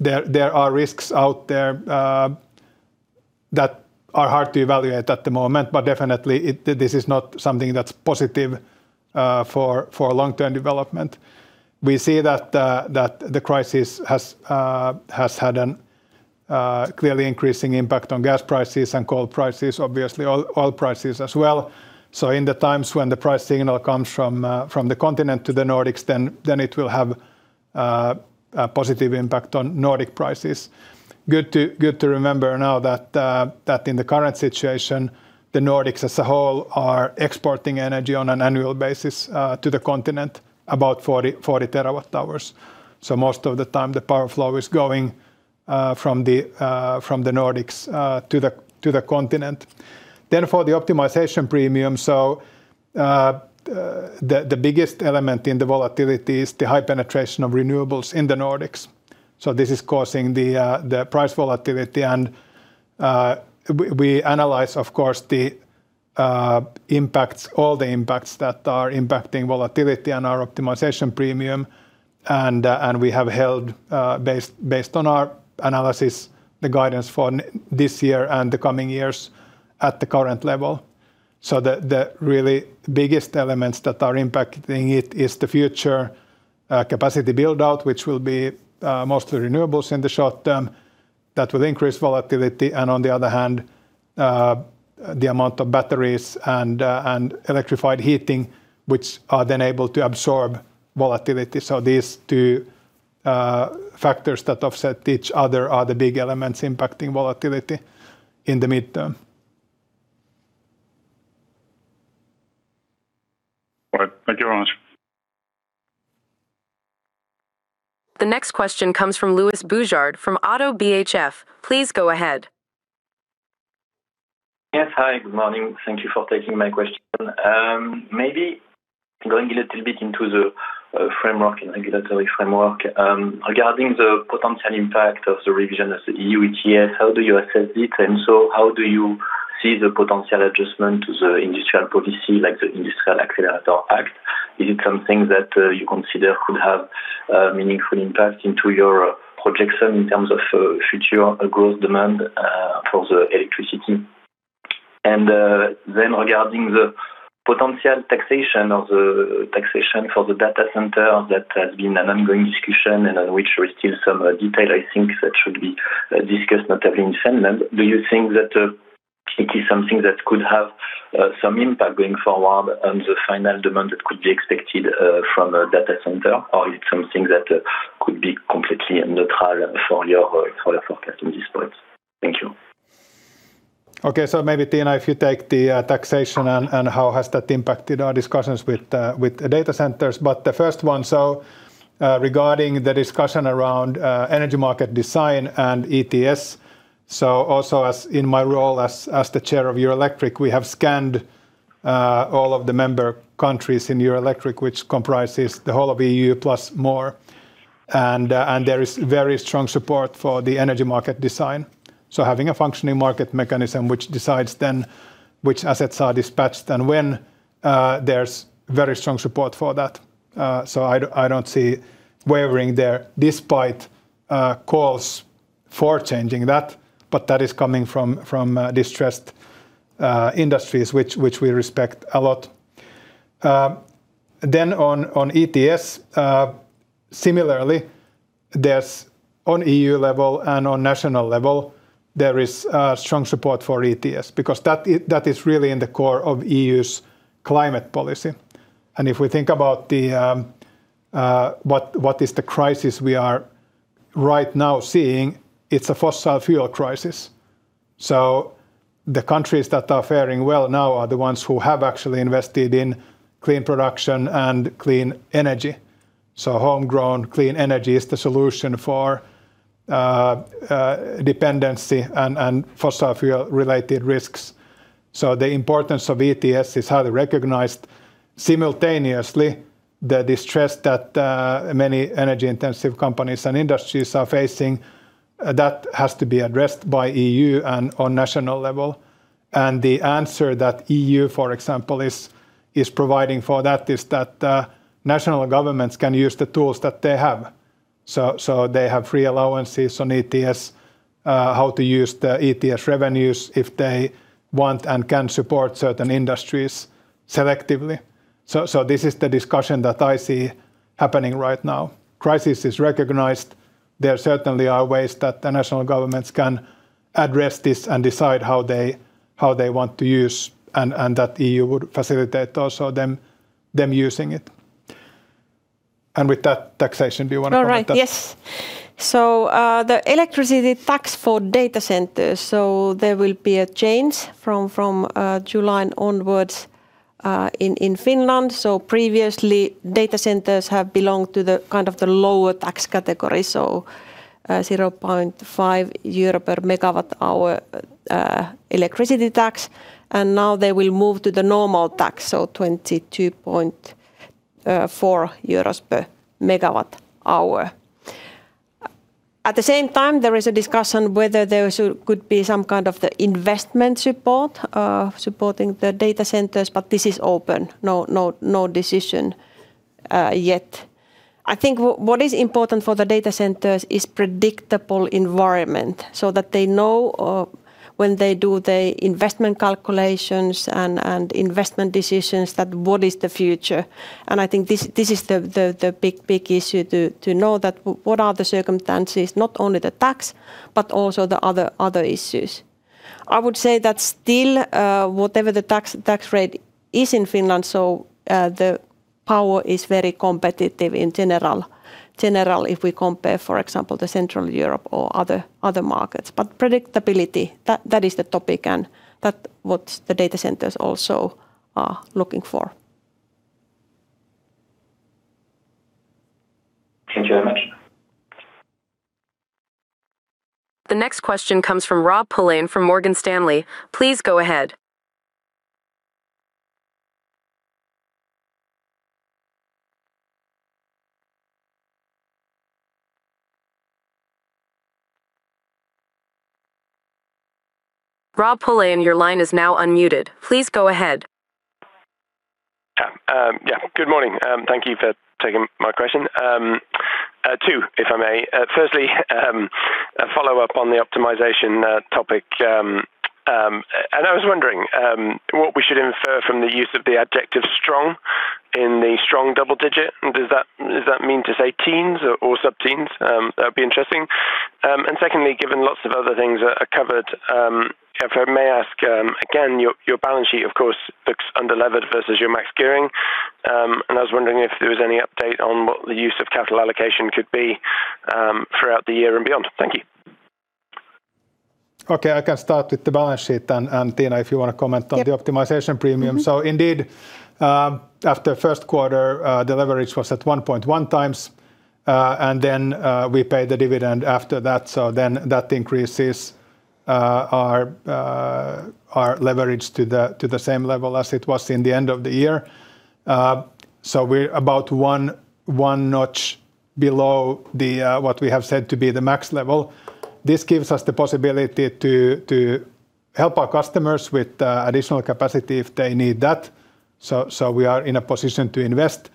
there are risks out there that are hard to evaluate at the moment. Definitely, this is not something that's positive for long-term development. We see that the crisis has had an clearly increasing impact on gas prices and coal prices, obviously oil prices as well. In the times when the price signal comes from the continent to the Nordics, then it will have a positive impact on Nordic prices. Good to remember now that in the current situation, the Nordics as a whole are exporting energy on an annual basis to the continent about 40 terawatt-hours. Most of the time the power flow is going from the Nordics to the continent. Therefore, the optimization premium. The biggest element in the volatility is the high penetration of renewables in the Nordics. This is causing the price volatility. We analyze, of course, the impacts, all the impacts that are impacting volatility and our optimization premium. We have held based on our analysis, the guidance for this year and the coming years at the current level. The really biggest elements that are impacting it is the future capacity build-out, which will be mostly renewables in the short-term that will increase volatility. On the other hand, the amount of batteries and electrified heating, which are then able to absorb volatility. These two factors that offset each other are the big elements impacting volatility in the midterm. All right. Thank you very much. The next question comes from Louis Boujard from ODDO BHF. Please go ahead. Yes. Hi, good morning. Thank you for taking my question. Maybe going a little bit into the framework and regulatory framework regarding the potential impact of the revision of the EU ETS, how do you assess it? How do you see the potential adjustment to the industrial policy, like the Industrial Accelerator Act? Is it something that you consider could have a meaningful impact into your projection in terms of future growth demand for the electricity? Then regarding the potential taxation or the taxation for the data center, that has been an ongoing discussion and on which there is still some detail, I think, that should be discussed, not only in Finland. Do you think that it is something that could have some impact going forward on the final demand that could be expected from a data center, or it's something that could be completely neutral for your for your forecast at this point? Thank you. Maybe, Tiina, if you take the taxation and how has that impacted our discussions with the data centers. The first one, regarding the discussion around energy market design and ETS. Also as in my role as the chair of Eurelectric, we have scanned all of the member countries in Eurelectric, which comprises the whole of EU plus more. There is very strong support for the energy market design. Having a functioning market mechanism which decides then which assets are dispatched and when, there is very strong support for that. I don't see wavering there despite calls for changing that. That is coming from distressed industries which we respect a lot. On ETS, similarly, there's on EU level and on national level, there is strong support for ETS because that is really in the core of EU's climate policy. If we think about the what is the crisis we are right now seeing, it's a fossil fuel crisis. The countries that are faring well now are the ones who have actually invested in clean production and clean energy. Homegrown clean energy is the solution for dependency and fossil fuel-related risks. The importance of ETS is highly recognized. Simultaneously, the distress that many energy-intensive companies and industries are facing, that has to be addressed by EU and on national level. The answer that EU, for example, is providing for that is that national governments can use the tools that they have. They have free allowances on ETS, how to use the ETS revenues if they want and can support certain industries selectively. This is the discussion that I see happening right now. Crisis is recognized. There certainly are ways that the national governments can address this and decide how they want to use and that EU would facilitate also them using it. With that, taxation, do you wanna comment that? All right. Yes. The electricity tax for data centers, there will be a change from July and onwards in Finland. Previously, data centers have belonged to the kind of the lower tax category, 0.5 euro per MWh electricity tax. Now they will move to the normal tax, 22.4 euros per MWh. At the same time, there is a discussion whether there could be some kind of the investment support supporting the data centers, but this is open. No decision yet. I think what is important for the data centers is predictable environment so that they know when they do the investment calculations and investment decisions that what is the future. I think this is the big issue to know what are the circumstances, not only the tax, but also the other issues. I would say that still, whatever the tax rate is in Finland, the power is very competitive in general if we compare, for example, Central Europe or other markets. Predictability, that is the topic and that what the data centers also are looking for. Thank you very much. The next question comes from Rob Pulleyn from Morgan Stanley. Please go ahead. Please go ahead. Good morning. Thank you for taking my question. 2, if I may. Firstly, a follow-up on the optimization topic. I was wondering what we should infer from the use of the adjective strong in the strong double-digit. Does that mean to say teens or sub-teens? That would be interesting. Secondly, given lots of other things that are covered, if I may ask, again, your balance sheet, of course, looks under-levered versus your max gearing. I was wondering if there was any update on what the use of capital allocation could be throughout the year and beyond. Thank you. Okay, I can start with the balance sheet and Tiina, if you wanna comment on the optimization premium. Indeed, after first quarter, the leverage was at 1.1 times. We paid the dividend after that increases our leverage to the same level as it was in the end of the year. We're about 1 notch below what we have said to be the max level. This gives us the possibility to help our customers with additional capacity if they need that. We are in a position to invest.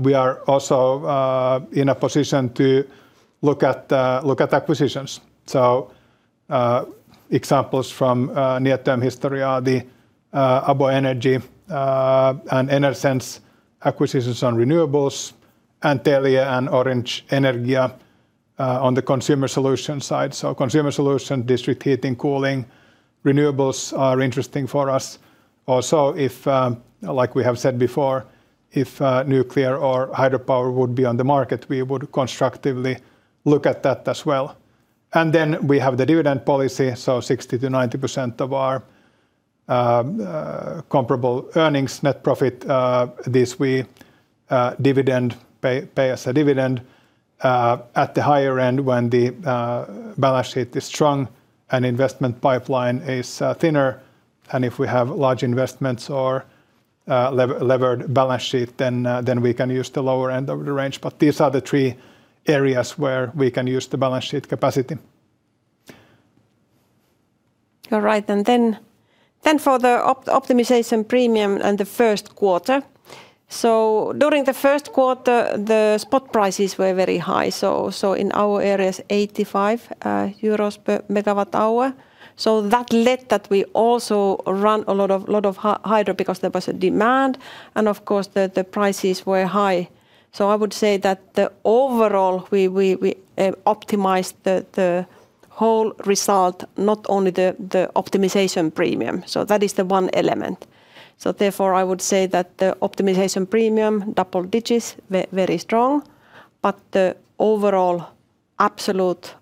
We are also in a position to look at acquisitions. Examples from near-term history are the ABO Wind and Enersense acquisitions on renewables, and Telia and Orange Energia on the Consumer Solutions side. Consumer Solutions, district heating, cooling, renewables are interesting for us. If, like we have said before, if nuclear or hydropower would be on the market, we would constructively look at that as well. Then we have the dividend policy, so 60%-90% of our comparable earnings, net profit, this we dividend, pay as a dividend, at the higher end when the balance sheet is strong and investment pipeline is thinner. If we have large investments or a levered balance sheet, then we can use the lower end of the range. These are the three areas where we can use the balance sheet capacity. All right. Then for the optimization premium and the first quarter. During the first quarter, the spot prices were very high, so in our areas, 85 euros per MWh. That led that we also run a lot of hydro because there was a demand and of course the prices were high. I would say that the overall, we optimized the whole result, not only the optimization premium. That is the one element. Therefore, I would say that the optimization premium, double digits, very strong. The overall absolute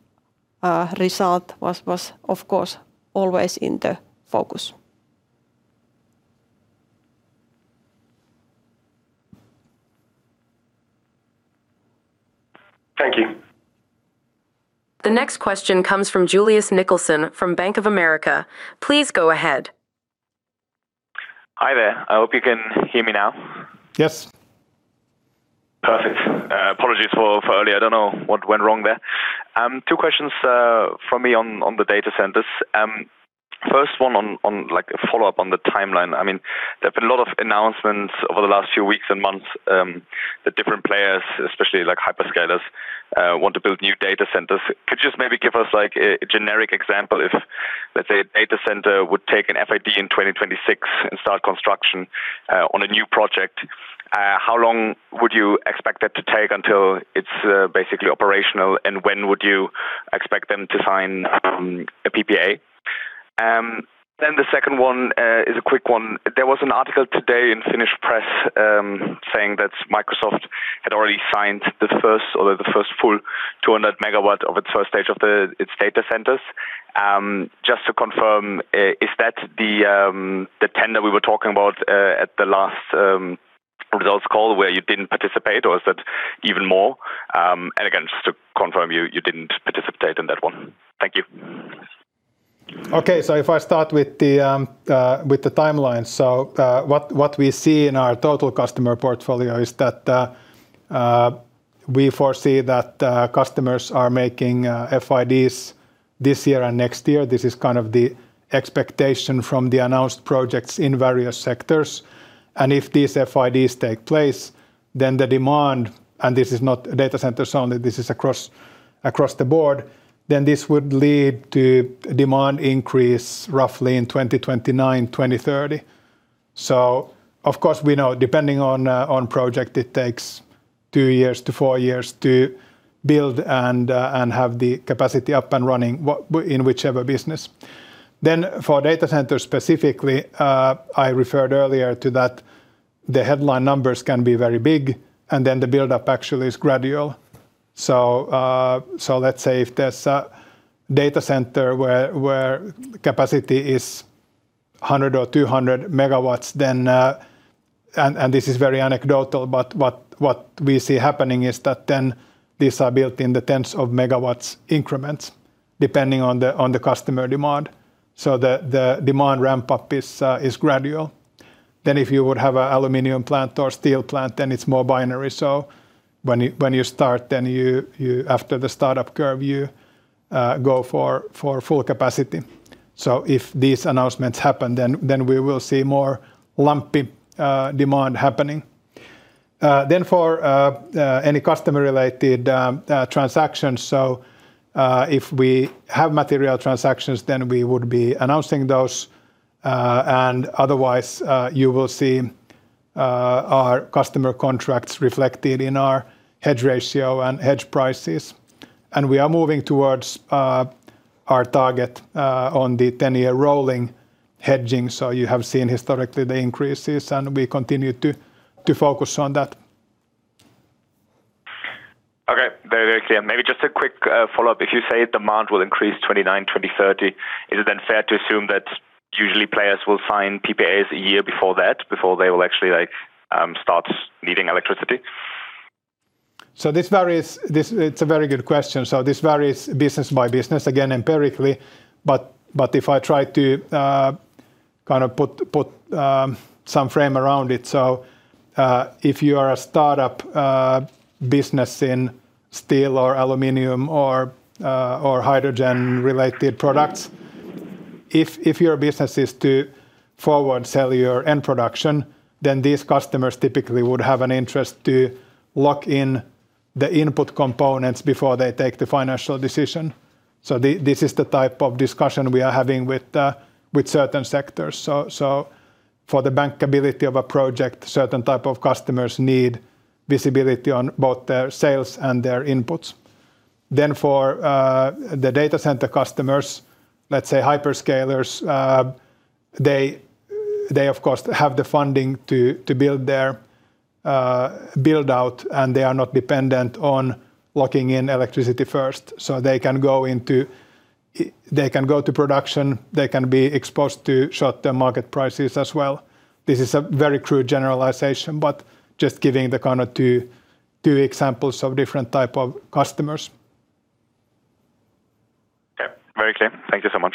result was of course always in the focus. Thank you. The next question comes from Julius Nickelsen from Bank of America. Please go ahead. Hi there. I hope you can hear me now. Yes. Apologies for earlier. I don't know what went wrong there. Two questions from me on the data centers. First one on like a follow-up on the timeline. I mean, there've been a lot of announcements over the last few weeks and months, the different players, especially like hyperscalers, want to build new data centers. Could just maybe give us like a generic example if, let's say, a data center would take an FID in 2026 and start construction on a new project, how long would you expect that to take until it's basically operational and when would you expect them to sign a PPA? The second one is a quick one. There was an article today in Finnish press saying that Microsoft had already signed the first or the first full 200 MW of its first stage of its data centers. Just to confirm, is that the 10 that we were talking about at the last results call where you didn't participate or is it even more? Again, just to confirm, you didn't participate in that one. Thank you. Okay. If I start with the timeline. What we see in our total customer portfolio is that we foresee that customers are making FIDs this year and next year. This is kind of the expectation from the announced projects in various sectors. If these FIDs take place, the demand, and this is not data centers only, this is across the board, would lead to demand increase roughly in 2029, 2030. Of course we know depending on project, it takes 2 years to 4 years to build and have the capacity up and running in whichever business. For data centers specifically, I referred earlier to that the headline numbers can be very big and the buildup actually is gradual. Let's say if there's a data center where capacity is 100 or 200 MW, this is very anecdotal, but we see happening is that these are built in the tens of MW increments depending on the customer demand. The demand ramp up is gradual. If you would have an aluminum plant or steel plant, then it's more binary. When you start, after the startup curve, you go for full capacity. If these announcements happen, we will see more lumpy demand happening. For any customer related transactions. If we have material transactions, we would be announcing those. Otherwise, you will see our customer contracts reflected in our hedge ratio and hedge prices. We are moving towards our target on the 10-year rolling hedging. You have seen historically the increases, and we continue to focus on that. Okay. Very clear. Maybe just a quick follow-up. If you say demand will increase 2029, 2030, is it then fair to assume that usually players will sign PPAs a year before that, before they will actually like, start needing electricity? This varies. It's a very good question. This varies business by business, again, empirically. But if I try to kind of put some frame around it. If you are a startup business in steel or aluminum or hydrogen related products, if your business is to forward sell your end production, then these customers typically would have an interest to lock in the input components before they take the financial decision. This is the type of discussion we are having with certain sectors. For the bankability of a project, certain type of customers need visibility on both their sales and their inputs. For the data center customers, let's say hyperscalers, they of course have the funding to build their build out, and they are not dependent on locking in electricity first. They can go to production; they can be exposed to short-term market prices as well. This is a very crude generalization but just giving the kind of two examples of different type of customers. Yeah. Very clear. Thank you so much.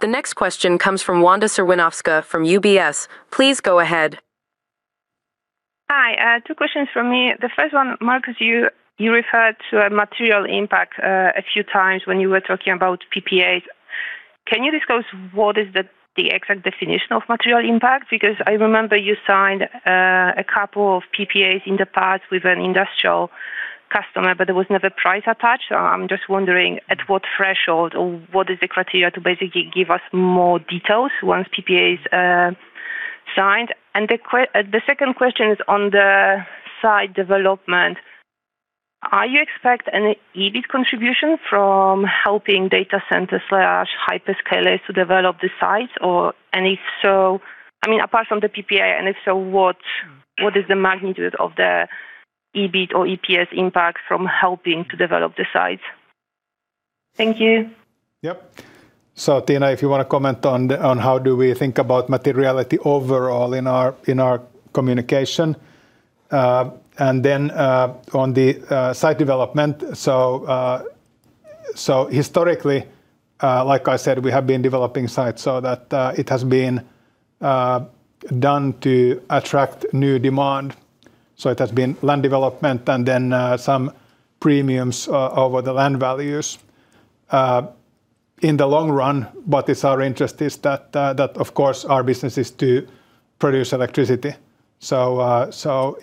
The next question comes from Wanda Serwinowska from UBS. Please go ahead. Hi. Two questions from me. The first one, Markus, you referred to a material impact a few times when you were talking about PPAs. Can you disclose what is the exact definition of material impact? Because I remember you signed a couple of PPAs in the past with an industrial customer, but there was never price attached. So, I'm just wondering at what threshold or what is the criteria to basically give us more details once PPA is signed. The second question is on the site development. Are you expecting any EBIT contribution from helping data center/hyperscalers to develop the sites? If so, I mean, apart from the PPA, if so, what is the magnitude of the EBIT or EPS impact from helping to develop the sites? Thank you. Yep. Tiina, if you want to comment on how we think about materiality overall in our, in our communication. On the site development. Historically, like I said, we have been developing sites so that it has been done to attract new demand. It has been land development and then some premiums over the land values. In the long run what is our interest is that of course our business is to produce electricity.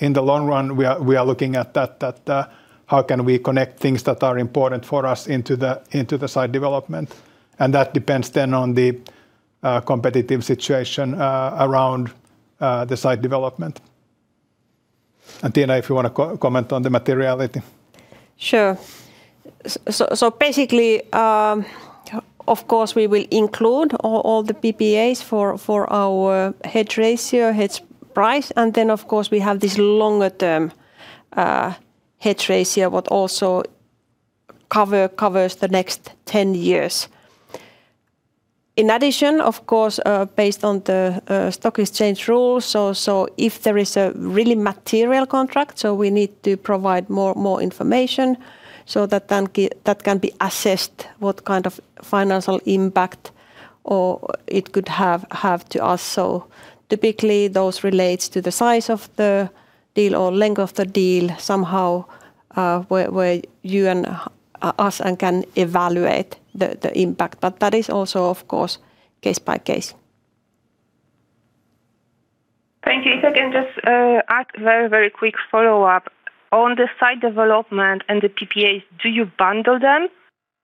In the long run we are looking at that, how can we connect things that are important for us into the site development. That depends then on the competitive situation around the site development. Tiina, if you want to comment on the materiality. Sure. So basically, of course we will include all the PPAs for our hedge ratio, hedge price, and then of course we have this longer-term term hedge ratio what also covers the next 10 years. In addition, of course, based on the stock exchange rules, so if there is a really material contract, so we need to provide more information so that then that can be assessed what kind of financial impact or it could have to us. Typically, those relates to the size of the deal or length of the deal somehow, where you and us and can evaluate the impact. That is also, of course, case by case. Thank you. If I can just ask very, very quick follow-up. On the site development and the PPAs, do you bundle them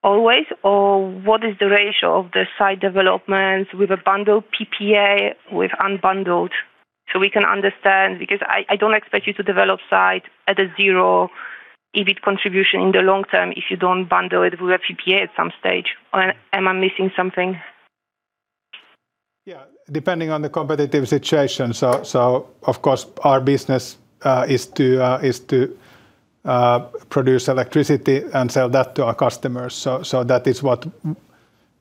always or what is the ratio of the site developments with a bundled PPA, with unbundled so we can understand? Because I don't expect you to develop site at a 0 EBIT contribution in the long-term if you don't bundle it with a PPA at some stage, or am I missing something? Yeah. Depending on the competitive situation. Of course, our business is to produce electricity and sell that to our customers. That is what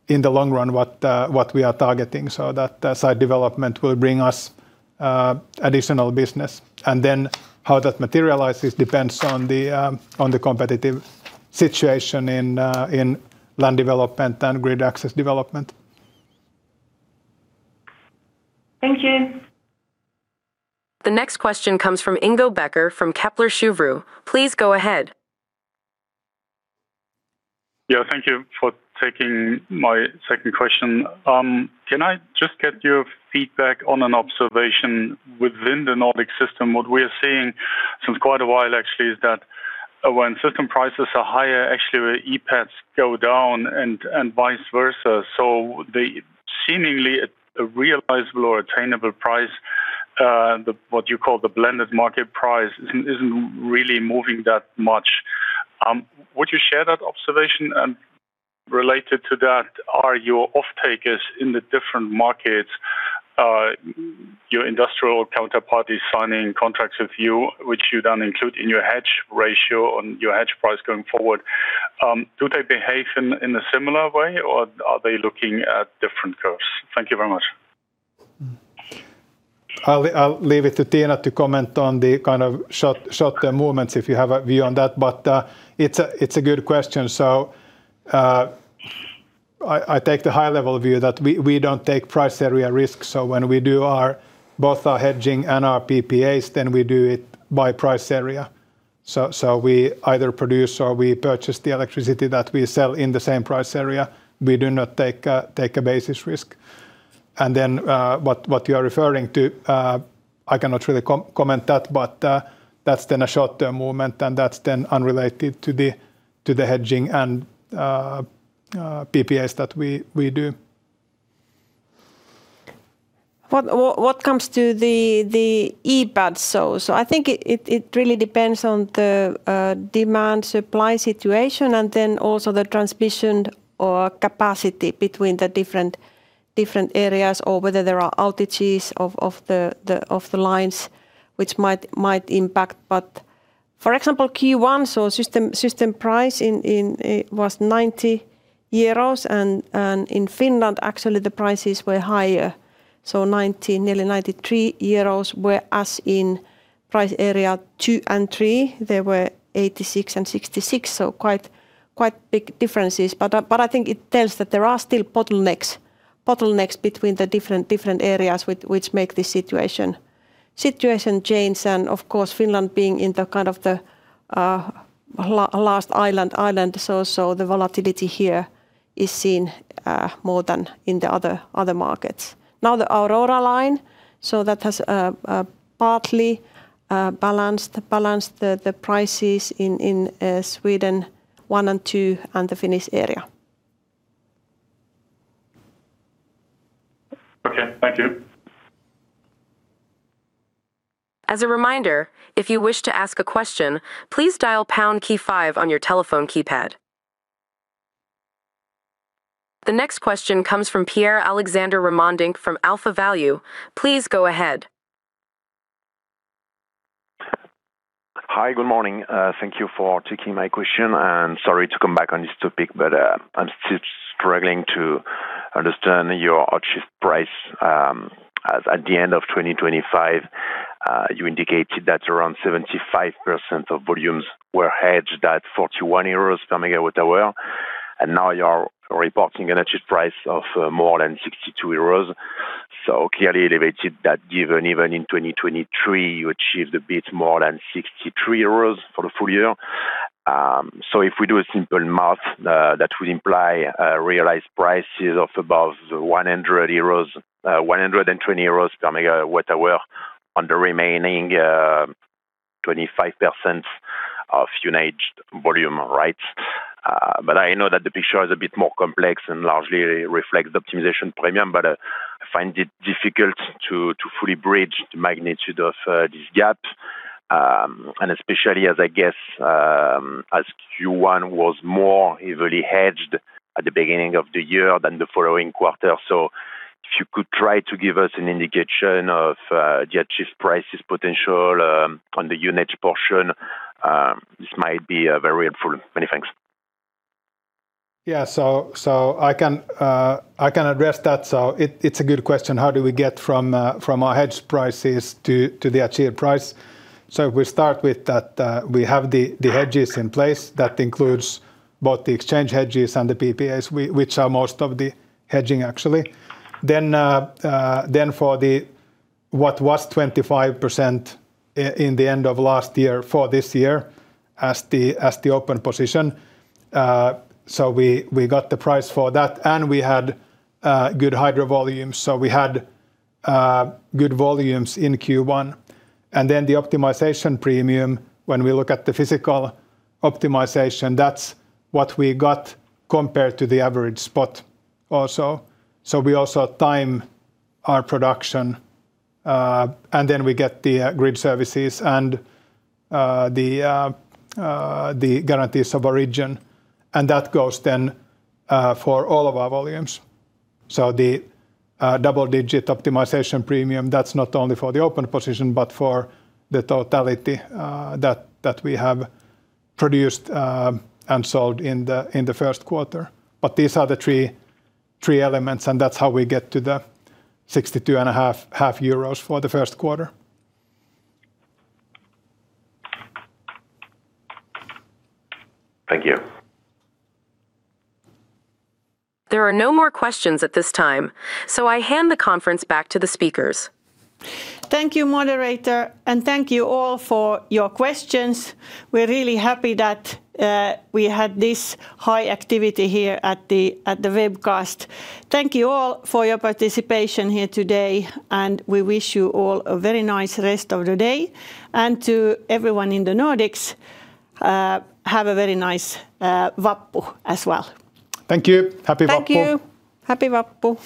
in the long run, what we are targeting. That site development will bring us additional business. How that materializes depends on the competitive situation in land development and grid access development. Thank you. The next question comes from Ingo Becker from Kepler Cheuvreux. Please go ahead. Yeah. Thank you for taking my second question. Can I just get your feedback on an observation within the Nordic system? What we're seeing since quite a while actually is that when system prices are higher, actually our EPADs go down and vice versa. The seemingly a realizable or attainable price, what you call the blended market price isn't really moving that much. Would you share that observation? Related to that, are your off takers in the different markets, your industrial counterparties signing contracts with you, which you then include in your hedge ratio on your hedge price going forward, do they behave in a similar way or are they looking at different curves? Thank you very much. I'll leave it to Tiina to comment on the kind of short-term movements if you have a view on that, it's a good question. I take the high-level view that we don't take price area risk. When we do our, both our hedging and our PPAs, we do it by price area. We either produce or we purchase the electricity that we sell in the same price area. We do not take a basis risk. What you are referring to, I cannot really comment that's a short-term movement that's unrelated to the hedging and PPAs that we do. What comes to the EPADs, I think it really depends on the demand-supply situation and then also the transmission or capacity between the different areas or whether there are outages of the lines which might impact. For example, Q1, system price it was 90 euros and in Finland actually the prices were higher. 90, nearly 93 euros, whereas in price area 2 and 3 they were 86 and 66, quite big differences. I think it tells that there are still bottlenecks between the different areas which make this situation change and of course Finland being in the kind of the last island, so the volatility here is seen more than in the other markets. The Aurora Line, that has partly balanced the prices in Sweden One and Two and the Finnish Area. Okay. Thank you. As a reminder, if you wish to ask a question, please dial #5 on your telephone keypad. The next question comes from Pierre-Alexandre Ramondenc from AlphaValue. Please go ahead. Hi. Good morning. Thank you for taking my question. I'm sorry to come back on this topic, but I'm still struggling to understand your outright price as at the end of 2025. You indicated that around 75% of volumes were hedged at 41 euros per MWh, and now you're reporting an achieved price of more than 62 euros. Clearly elevated that given even in 2023 you achieved a bit more than 63 euros for the full year. If we do a simple math, that will imply realize prices of above 100 euros, 120 euros per megawatt-hour on the remaining 25% of unhedged volume, right? I know that the picture is a bit more complex and largely reflects the optimization premium, but I find it difficult to fully bridge the magnitude of this gap. Especially as, I guess, as Q1 was more heavily hedged at the beginning of the year than the following quarter. If you could try to give us an indication of the achieved prices potential on the unhedged portion, this might be very helpful. Many thanks. I can address that. It's a good question; how do we get from our hedged prices to the achieved price? If we start with that, we have the hedges in place. That includes both the exchange hedges and the PPAs, which are most of the hedging actually. For the 25% in the end of last year for this year as the open position, we got the price for that, and we had good hydro volumes. We had good volumes in Q1. The optimization premium, when we look at the physical optimization, that's what we got compared to the average spot also. We also time our production, and then we get the grid services and the guarantees of origin, and that goes then for all of our volumes. The double-digit optimization premium, that's not only for the open position but for the totality that we have produced and sold in the first quarter. These are the three elements, and that's how we get to the 62.5 euros For the first quarter. Thank you. There are no more questions at this time, so I hand the conference back to the speakers. Thank you, moderator, and thank you all for your questions. We're really happy that we had this high activity here at the webcast. Thank you all for your participation here today, and we wish you all a very nice rest of the day. To everyone in the Nordics, have a very nice Vappu as well. Thank you. Happy Vappu. Thank you. Happy Vappu.